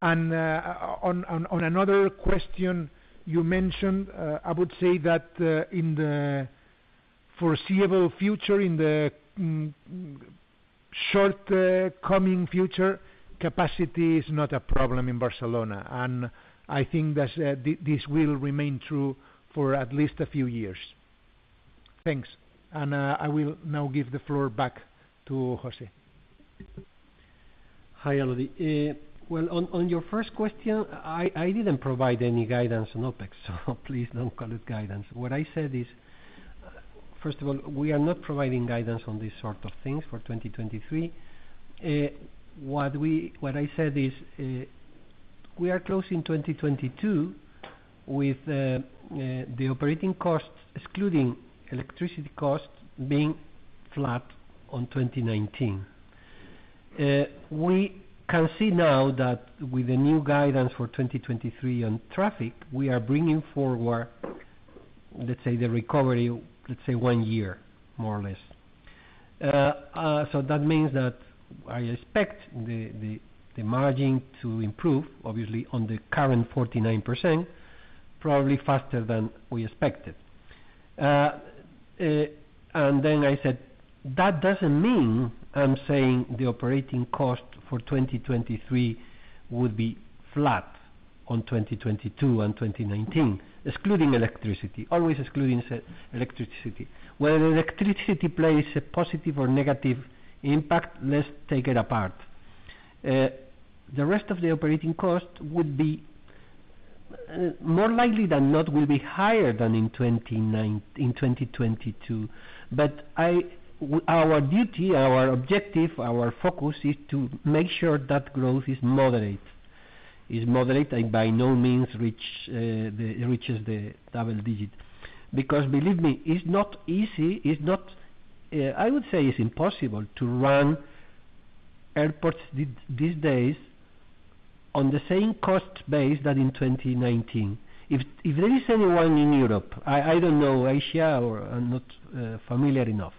On another question you mentioned, I would say that in the short, coming future, capacity is not a problem in Barcelona, and I think that this will remain true for at least a few years. Thanks. I will now give the floor back to José. Hi, Elodie. Well, on your first question, I didn't provide any guidance on OpEx, please don't call it guidance. What I said is, first of all, we are not providing guidance on these sort of things for 2023. What I said is, we are closing 2022 with the operating costs, excluding electricity costs, being flat on 2019. We can see now that with the new guidance for 2023 on traffic, we are bringing forward, let's say, the recovery, let's say 1 year, more or less. That means that I expect the margin to improve, obviously on the current 49%, probably faster than we expected. I said, that doesn't mean I'm saying the operating cost for 2023 would be flat on 2022 and 2019, excluding electricity, always excluding electricity. Whether electricity plays a positive or negative impact, let's take it apart. The rest of the operating cost would be more likely than not, will be higher than in 2022. Our duty, our objective, our focus, is to make sure that growth is moderate. Is moderate and by no means reaches the double-digit. Believe me, it's not easy. I would say it's impossible to run airports these days on the same cost base that in 2019. If there is anyone in Europe, I don't know Asia or I'm not familiar enough.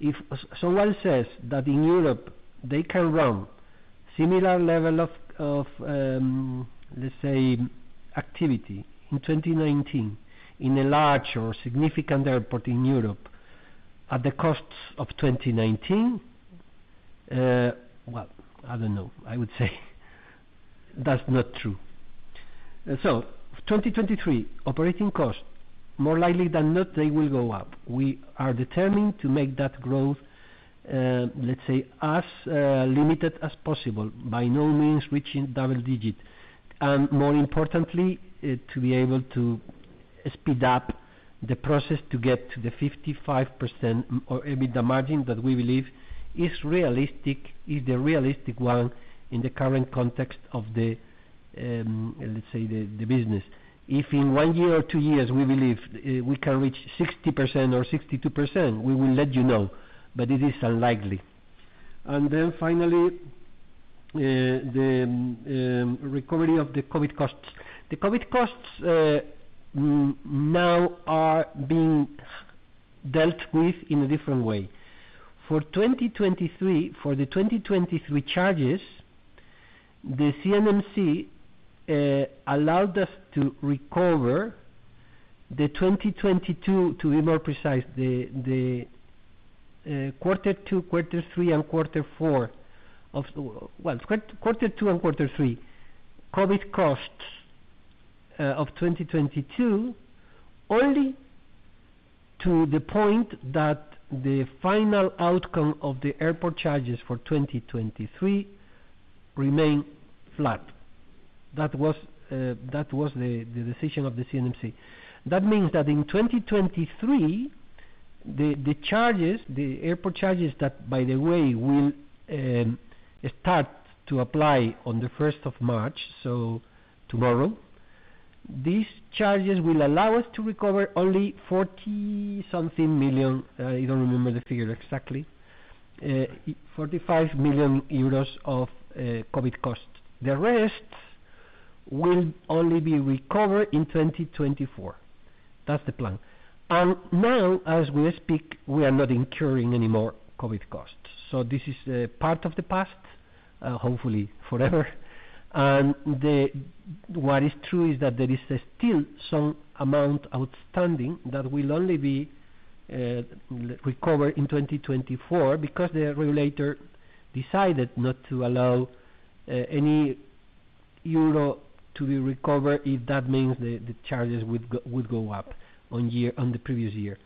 If someone says that in Europe they can run similar level of, let's say, activity in 2019 in a large or significant airport in Europe at the costs of 2019, well, I don't know. I would say that's not true. 2023 operating costs, more likely than not, they will go up. We are determined to make that growth, let's say as limited as possible, by no means reaching double-digit, and more importantly, to be able to speed up the process to get to the 55% or EBITDA margin that we believe is realistic, is the realistic one in the current context of the, let's say the business. If in one year or two years we believe we can reach 60% or 62%, we will let you know, but it is unlikely. Finally, the recovery of the COVID costs. The COVID costs now are being dealt with in a different way. For the 2023 charges, the CNMC allowed us to recover the 2022, to be more precise, the quarter two and quarter three COVID costs of 2022, only to the point that the final outcome of the airport charges for 2023 remain flat. That was the decision of the CNMC. That means that in 2023, the charges, the airport charges that, by the way, will start to apply on the first of March, so tomorrow. These charges will allow us to recover only 40-something million, I don't remember the figure exactly. 45 million euros of COVID costs. The rest will only be recovered in 2024. That's the plan. Now, as we speak, we are not incurring any more COVID costs. This is part of the past, hopefully forever. What is true is that there is still some amount outstanding that will only be recovered in 2024 because the regulator decided not to allow any euro to be recovered if that means the charges would go up on year, on the previous year.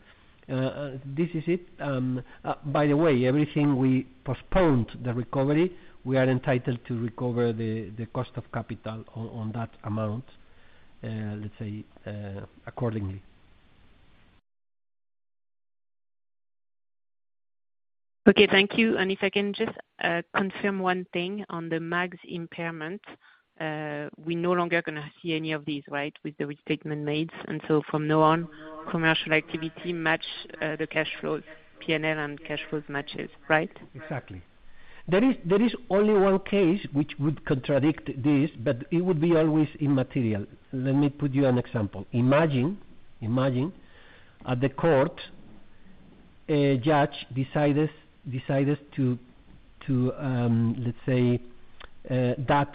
This is it. By the way, everything we postponed the recovery, we are entitled to recover the cost of capital on that amount, let's say, accordingly. Okay. Thank you. If I can just confirm one thing on the mags impairment. We're no longer gonna see any of these, right, with the restatement made? From now on, commercial activity match, the cash flows, P&L and cash flows matches, right? Exactly. There is only one case which would contradict this, but it would be always immaterial. Let me put you an example. Imagine at the court, a judge decides to let's say that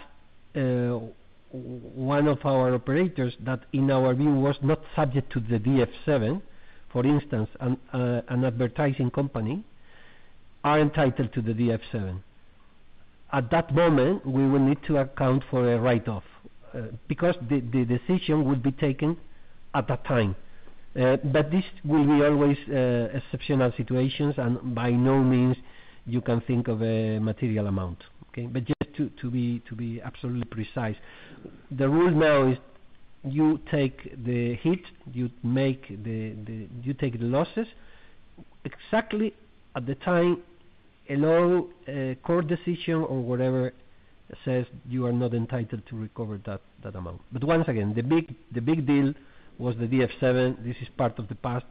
one of our operators that in our view was not subject to the DF7, for instance, an advertising company, are entitled to the DF7. At that moment, we will need to account for a write-off because the decision would be taken at that time. But this will be always exceptional situations, and by no means you can think of a material amount. Okay. Just to be absolutely precise, the rule now is you take the hit, you make the... You take the losses exactly at the time a law, a court decision or whatever says you are not entitled to recover that amount. Once again, the big deal was the DF7. This is part of the past,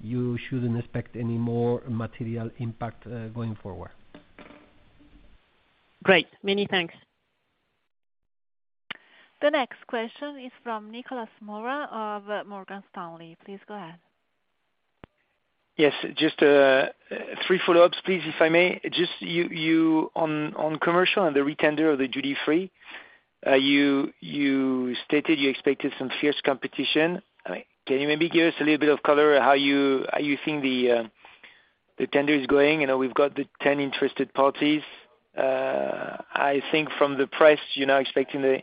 you shouldn't expect any more material impact going forward. Great. Many thanks. The next question is from Nicolas Mora of Morgan Stanley. Please go ahead. Yes. Just three follow-ups, please, if I may. Just you on commercial and the retender of the duty-free, you stated you expected some fierce competition. I mean, can you maybe give us a little bit of color how you think the tender is going? You know, we've got the 10 interested parties. I think from the press, you're now expecting the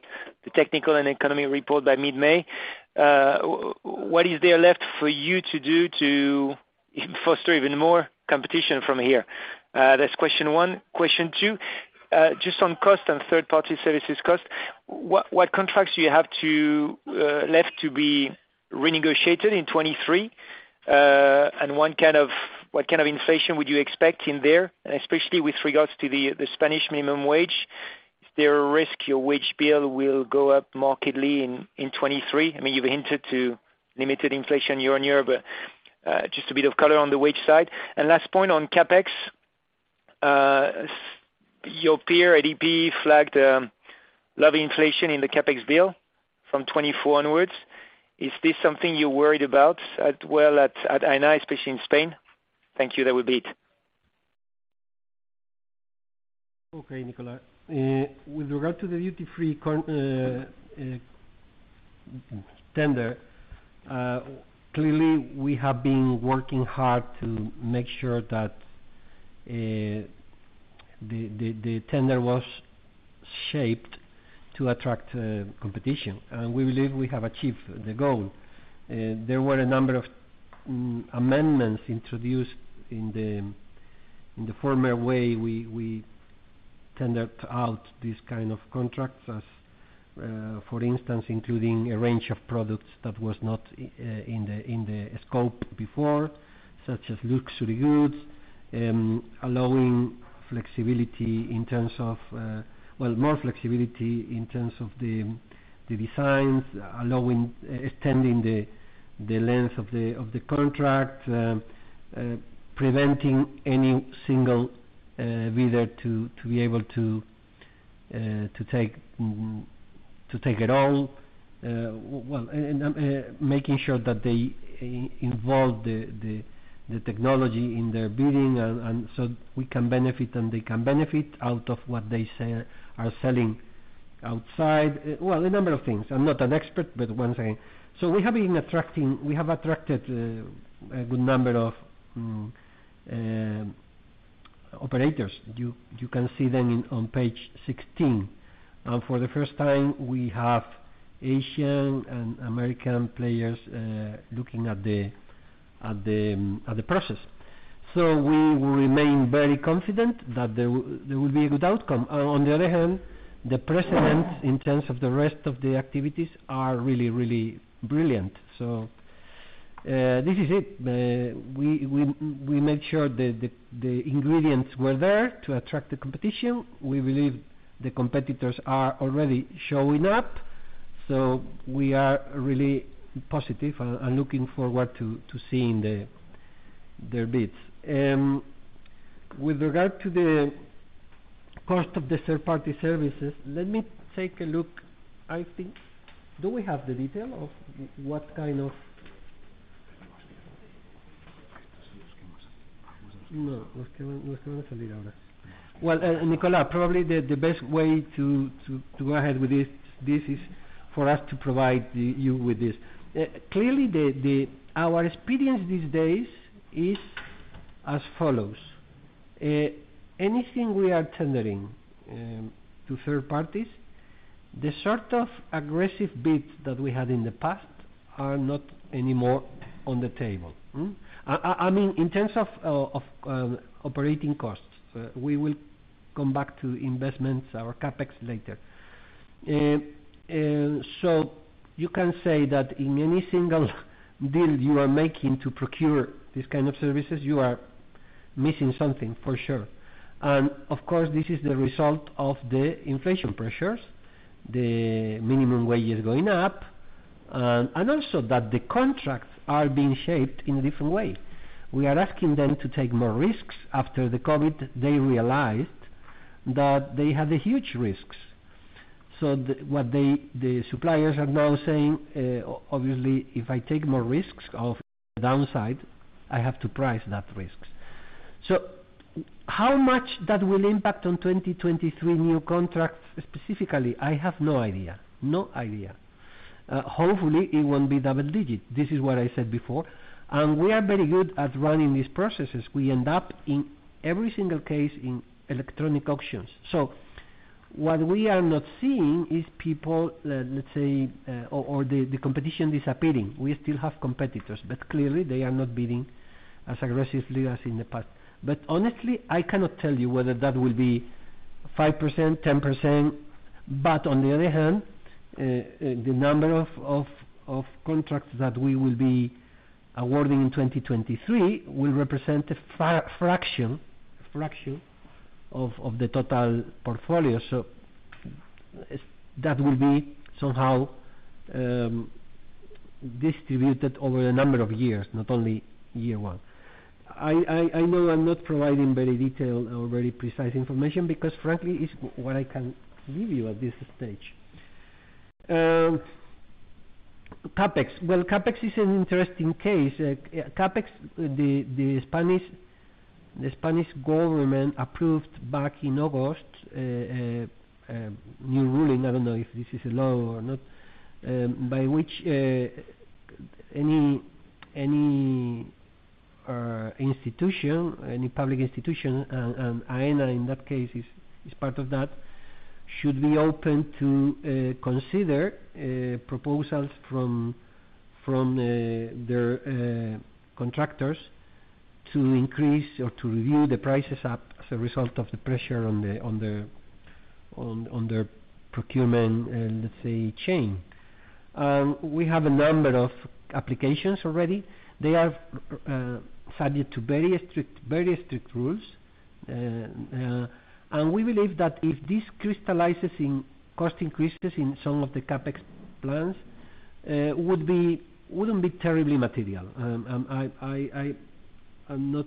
technical and economy report by mid-May. What is there left for you to do to foster even more competition from here? That's question one. Question two, just on cost and third-party services cost, what contracts do you have left to be renegotiated in 2023? What kind of inflation would you expect in there, and especially with regards to the Spanish minimum wage? Is there a risk your wage bill will go up markedly in 2023? I mean, you've hinted to limited inflation year-on-year, but just a bit of color on the wage side. Last point on CapEx, your peer ADP flagged low inflation in the CapEx bill from 2024 onwards. Is this something you're worried about as well at Aena, especially in Spain? Thank you. That would be it. Okay, Nicolas. With regard to the duty-free tender, clearly we have been working hard to make sure that the tender was shaped to attract competition, and we believe we have achieved the goal. There were a number of amendments introduced in the former way we tendered out this kind of contracts as, for instance, including a range of products that was not in the scope before, such as luxury goods, allowing flexibility in terms of, well, more flexibility in terms of the designs, extending the length of the contract, preventing any single bidder to be able to take it all. Well, making sure that they involve the technology in their bidding so we can benefit and they can benefit out of what they sell, are selling outside. Well, a number of things. I'm not an expert, but one thing. We have been attracting, we have attracted a good number of operators. You can see them on page 16. For the first time, we have Asian and American players looking at the process. We will remain very confident that there will be a good outcome. On the other hand, the precedent in terms of the rest of the activities are really, really brilliant. This is it. We made sure that the ingredients were there to attract the competition. We believe the competitors are already showing up, we are really positive and looking forward to seeing their bids. With regard to the cost of the third party services, let me take a look. I think. Do we have the detail of what kind of No? Well, Nicola, probably the best way to go ahead with this is for us to provide you with this. Clearly our experience these days is as follows. Anything we are tendering to third parties, the sort of aggressive bids that we had in the past are not anymore on the table. I mean, in terms of operating costs. We will come back to investments, our CapEx later. You can say that in any single deal you are making to procure this kind of services, you are missing something for sure. Of course, this is the result of the inflation pressures, the minimum wage is going up, and also that the contracts are being shaped in a different way. We are asking them to take more risks. After the COVID, they realized that they had huge risks. What they, the suppliers are now saying, obviously, if I take more risks of downside, I have to price that risks. How much that will impact on 2023 new contracts specifically, I have no idea. No idea. Hopefully it won't be double-digit. This is what I said before. We are very good at running these processes. We end up in every single case in electronic auctions. What we are not seeing is people, the competition disappearing. We still have competitors, but clearly they are not bidding as aggressively as in the past. Honestly, I cannot tell you whether that will be 5%, 10%. On the other hand, the number of contracts that we will be awarding in 2023 will represent a fraction of the total portfolio. That will be somehow distributed over a number of years, not only year one. I know I'm not providing very detailed or very precise information because frankly, it's what I can give you at this stage. CapEx. Well, CapEx is an interesting case. CapEx, the Spanish government approved back in August a new ruling, I don't know if this is a law or not, by which any institution, any public institution, and Aena in that case is part of that, should be open to consider proposals from their contractors to increase or to review the prices up as a result of the pressure on their procurement, let's say chain. We have a number of applications already. They are subject to very strict rules. We believe that if this crystallizes in cost increases in some of the CapEx plans, wouldn't be terribly material. I'm not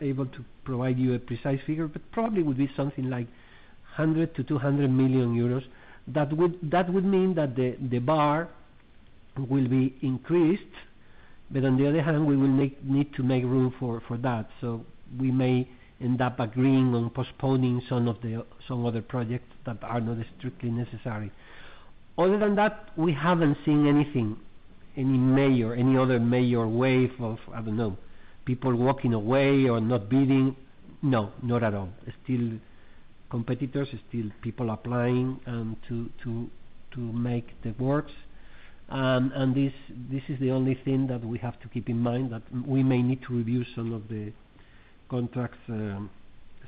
able to provide you a precise figure, but probably would be something like 100 million-200 million euros. That would mean that the bar will be increased. On the other hand, we need to make room for that. We may end up agreeing on postponing some of the projects that are not strictly necessary. Other than that, we haven't seen anything, any major, any other major wave of, I don't know, people walking away or not bidding. Not at all. Still competitors, still people applying to make the works. This is the only thing that we have to keep in mind, that we may need to review some of the contracts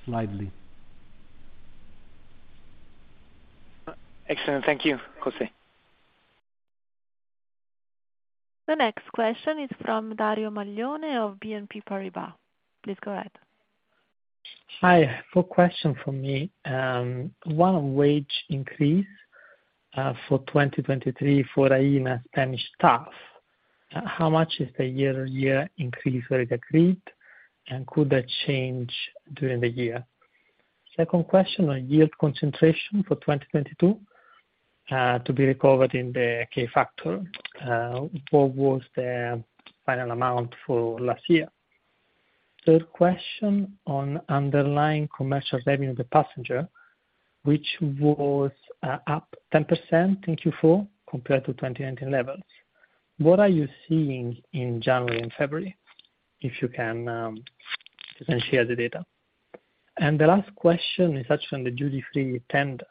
slightly. Excellent. Thank you, José. The next question is from Dario Maglione of BNP Paribas. Please go ahead. Hi. Four question from me. One on wage increase for 2023 for Aena Spanish staff. How much is the year-on-year increase rate agreed, and could that change during the year? Second question on yield concentration for 2022 to be recovered in the K-factor. What was the final amount for last year? Third question on underlying commercial revenue of the passenger, which was up 10% in Q4 compared to 2019 levels. What are you seeing in January and February, if you can potentially share the data? The last question is actually on the duty-free tender.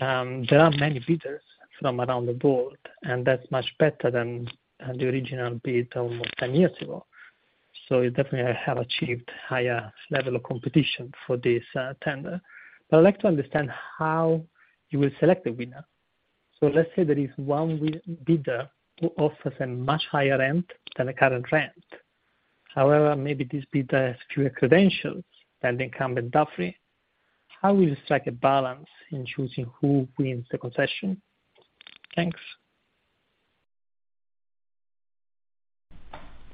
There are many bidders from around the board, and that's much better than the original bid almost 10 years ago. You definitely have achieved higher level of competition for this tender. I'd like to understand how you will select the winner. Let's say there is one bidder who offers a much higher rent than the current rent. However, maybe this bidder has fewer credentials than the incumbent, Dufry. How will you strike a balance in choosing who wins the concession? Thanks.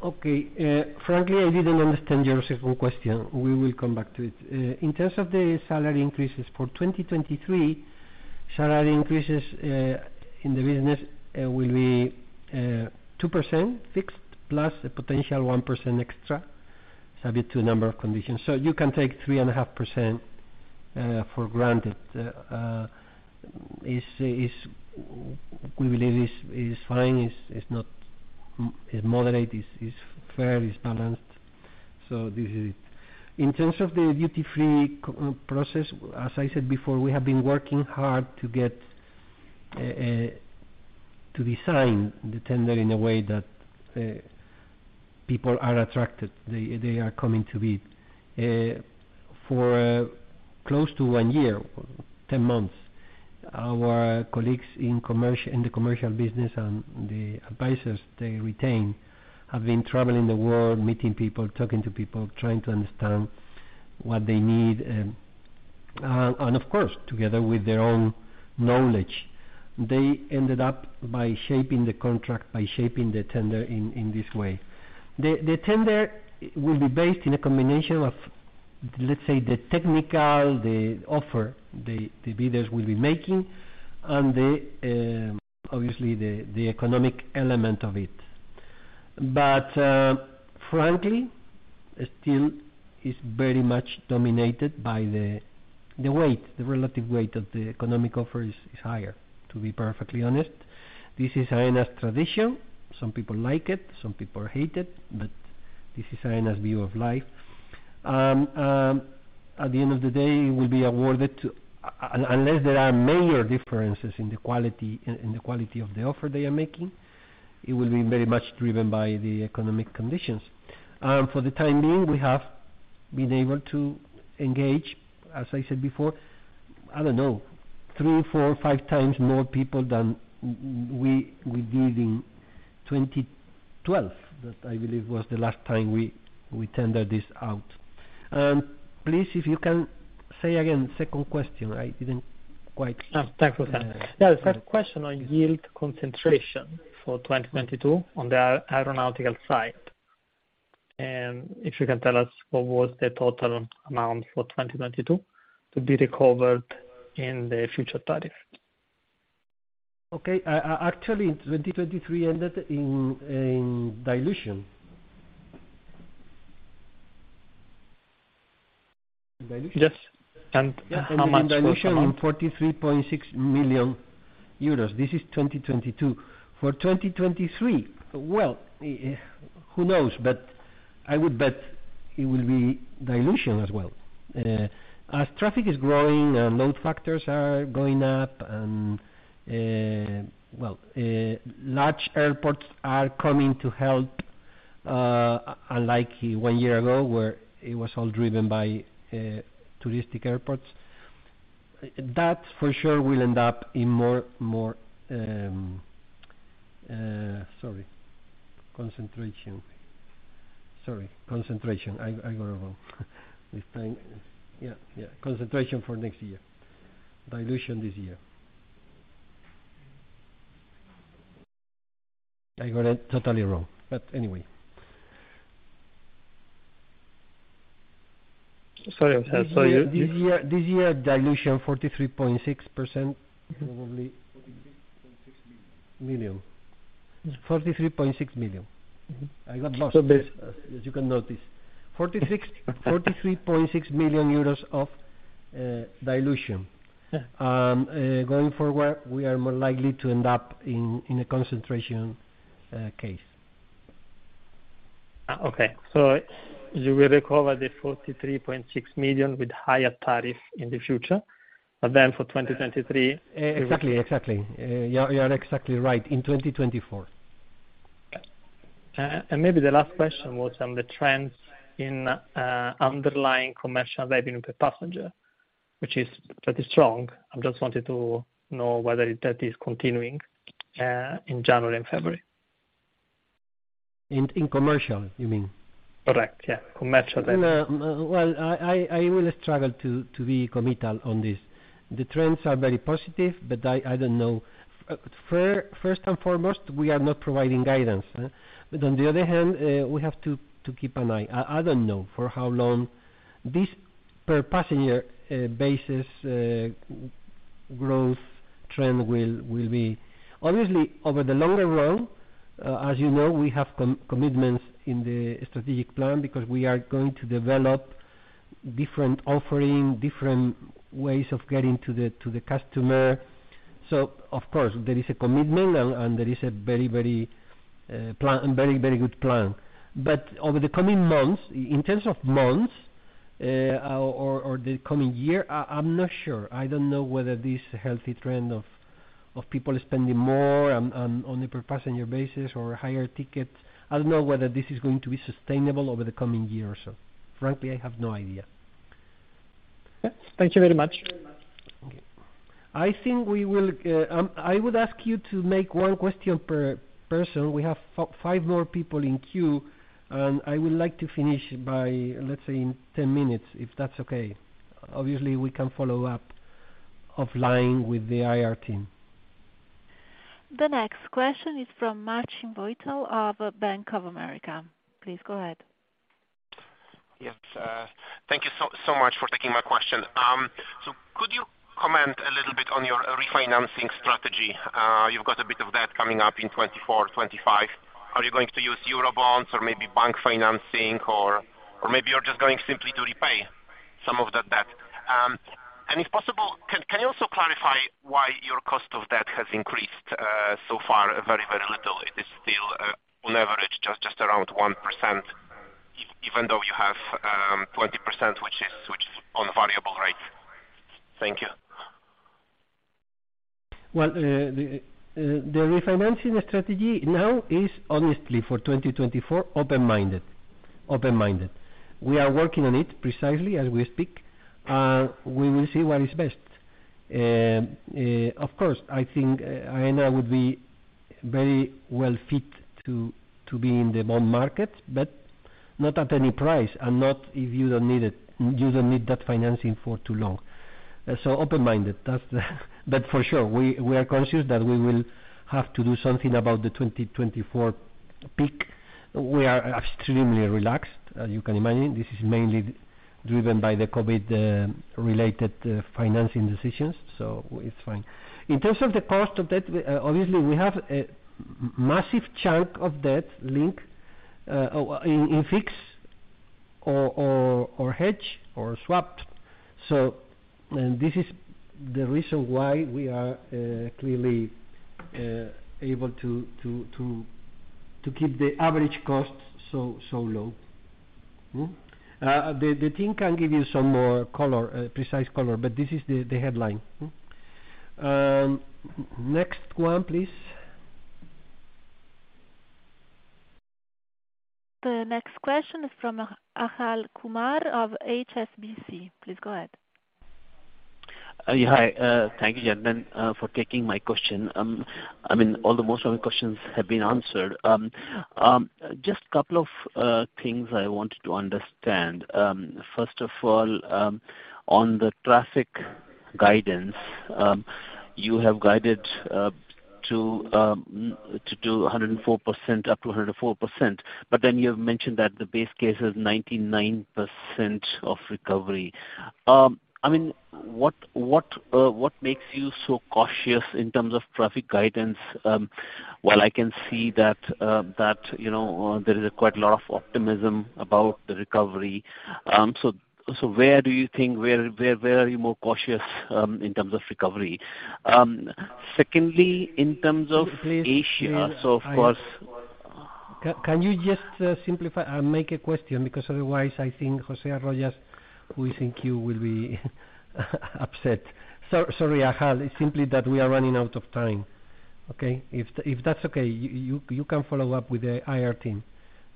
Okay. Frankly, I didn't understand your second question. We will come back to it. In terms of the salary increases for 2023, salary increases in the business will be 2% fixed plus a potential 1% extra. Subject to a number of conditions. You can take 3.5% for granted. We believe is fine. Is not, is moderate, is fair, is balanced. This is it. In terms of the duty-free co-process, as I said before, we have been working hard to get to design the tender in a way that people are attracted, they are coming to bid. For close to one year, 10 months, our colleagues in the commercial business and the advisors they retain have been traveling the world, meeting people, talking to people, trying to understand what they need. And of course, together with their own knowledge, they ended up by shaping the contract, by shaping the tender in this way. The tender will be based on a combination of, let's say, the technical, the offer the bidders will be making and obviously the economic element of it. Frankly, still is very much dominated by the weight, the relative weight of the economic offer is higher, to be perfectly honest. This is Aena's tradition. Some people like it, some people hate it, but this is Aena's view of life. At the end of the day, it will be awarded to. Unless there are major differences in the quality of the offer they are making, it will be very much driven by the economic conditions. For the time being, we have been able to engage, as I said before, I don't know, three, four, five times more people than we did in 2012. That I believe was the last time we tendered this out. Please, if you can say again, second question, I didn't quite hear. Oh, thanks for that. Yeah, the second question on yield concentration for 2022 on the aeronautical side. If you can tell us what was the total amount for 2022 to be recovered in the future tariff? Okay. Actually, 2023 ended in dilution. Yes. How much was the amount? In dilution, in 43.6 million euros. This is 2022. For 2023, well, who knows? I would bet it will be dilution as well. As traffic is growing and load factors are going up and, well, large airports are coming to help, unlike one year ago, where it was all driven by touristic airports. That, for sure, will end up in more concentration. Sorry, concentration. I got it wrong. This time, yeah. Concentration for next year. Dilution this year. I got it totally wrong. Anyway. I'm sorry. This year, dilution 43.6%. 43.6 million. Million. EUR 43.6 million. Mm-hmm. I got los as you can notice. 43.6 million euros of dilution. Going forward, we are more likely to end up in a concentration case. You will recover the 43.6 million with higher tariff in the future, but then for 2023. Exactly. You are exactly right. In 2024. Maybe the last question was on the trends in underlying commercial revenue per passenger, which is pretty strong. I just wanted to know whether that is continuing in January and February. In commercial, you mean? Correct. Yeah, commercial revenue. Well, I will struggle to be committal on this. The trends are very positive, I don't know. First and foremost, we are not providing guidance. On the other hand, we have to keep an eye. I don't know for how long this per passenger basis growth trend will be. Obviously, over the longer run, as you know, we have commitments in the strategic plan because we are going to develop different offering, different ways of getting to the customer. Of course, there is a commitment and there is a very, very good plan. Over the coming months, in terms of months or the coming year, I'm not sure. I don't know whether this healthy trend of people spending more on a per passenger basis or higher tickets, I don't know whether this is going to be sustainable over the coming years. Frankly, I have no idea. Yes. Thank you very much. Okay. I would ask you to make one question per person. We have five more people in queue. I would like to finish by, let's say, in 10 minutes, if that's okay. Obviously, we can follow up offline with the IR team. The next question is from Marcin Wojtal of Bank of America. Please go ahead. Yes. Thank you so much for taking my question. Could you comment a little bit on your refinancing strategy? You've got a bit of debt coming up in 2024, 2025. Are you going to use Eurobonds or maybe bank financing or maybe you're just going simply to repay some of that debt? If possible, can you also clarify why your cost of debt has increased so far very little? It is still, on average, just around 1% even though you have 20%, which is on variable rates. Thank you. Well, the refinancing strategy now is honestly for 2024, open-minded, open-minded. We are working on it precisely as we speak, and we will see what is best. Of course, I think Aena would be very well fit to be in the bond market, but not at any price and not if you don't need it, you don't need that financing for too long. Open-minded, that's the. For sure, we are conscious that we will have to do something about the 2024 peak. We are extremely relaxed. As you can imagine, this is mainly driven by the COVID related financing decisions, so it's fine. In terms of the cost of debt, we obviously, we have a massive chunk of debt link in fix or hedge or swapped. This is the reason why we are clearly able to keep the average cost so low. The team can give you some more color, precise color, but this is the headline. Next one, please. The next question is from Achal Kumar of HSBC. Please go ahead. Yeah, hi. Thank you, gentlemen, for taking my question. I mean, all the most of my questions have been answered. Just couple of things I wanted to understand. First of all, on the traffic guidance, you have guided to do 104%, up to 104%, but then you have mentioned that the base case is 99% of recovery. I mean, what makes you so cautious in terms of traffic guidance? While I can see that, you know, there is quite a lot of optimism about the recovery, where do you think, where are you more cautious in terms of recovery? Secondly, in terms of Asia- Please, please. Of course. Can you just simplify, make a question? Otherwise I think José Arroyas, who is in queue will be upset. Sorry, Achal, it's simply that we are running out of time. Okay? If that's okay, you can follow up with the IR team.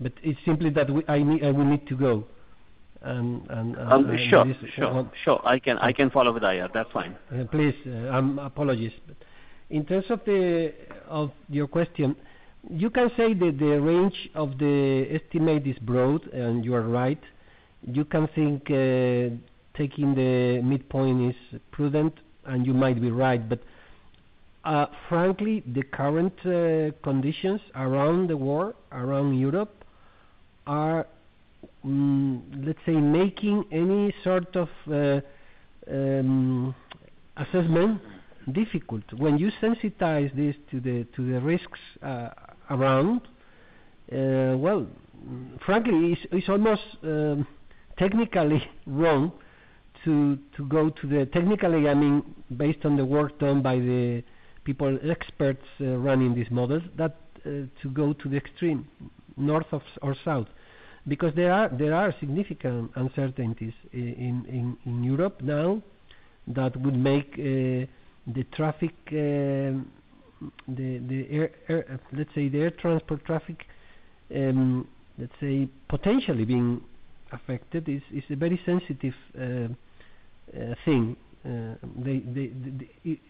It's simply that I need, I will need to go and. Sure. This Sure. Sure. I can follow with IR. That's fine. Please, apologies. In terms of the, of your question, you can say that the range of the estimate is broad, you are right. You can think, taking the midpoint is prudent, and you might be right, frankly, the current conditions around the world, around Europe are, let's say, making any sort of assessment difficult. When you sensitize this to the risks around, well, frankly, it's almost technically wrong to go to the... Technically, I mean, based on the work done by the people, experts running these models, that to go to the extreme north of or south. There are significant uncertainties in Europe now that would make the traffic, the air, let's say, the air transport traffic, let's say, potentially being affected. Is a very sensitive thing. They...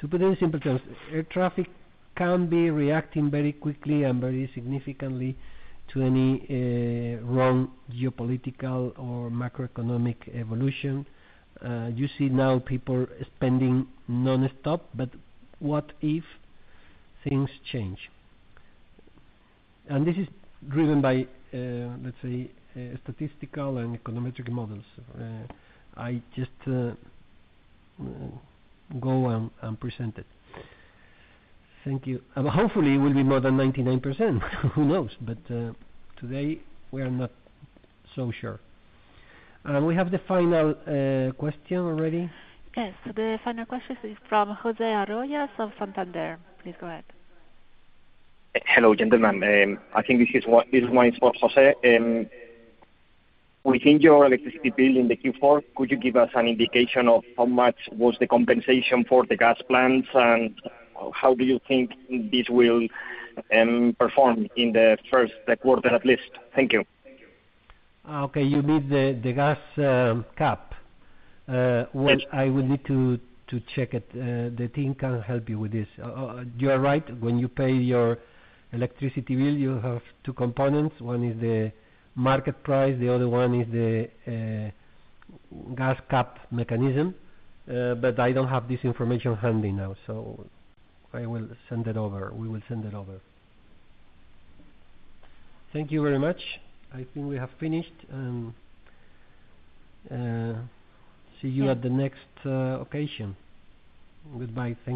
To put it in simple terms, air traffic can be reacting very quickly and very significantly to any wrong geopolitical or macroeconomic evolution. You see now people spending nonstop, but what if things change? This is driven by, let's say, statistical and econometric models. I just go and present it. Thank you. Hopefully, it will be more than 99%. Who knows? Today we are not so sure. We have the final question already. Yes. The final question is from José Arroyas of Santander. Please go ahead. Hello, gentlemen. I think this one is for José. Within your electricity bill in the Q4, could you give us an indication of how much was the compensation for the gas plants, and how do you think this will perform in the first quarter, at least? Thank you. Okay. You mean the gas cap? Yes. Which I will need to check it. The team can help you with this. You are right. When you pay your electricity bill, you have two components. One is the market price, the other one is the gas cap mechanism. I don't have this information handy now, so I will send it over. We will send it over. Thank you very much. I think we have finished. See you at the next occasion. Goodbye.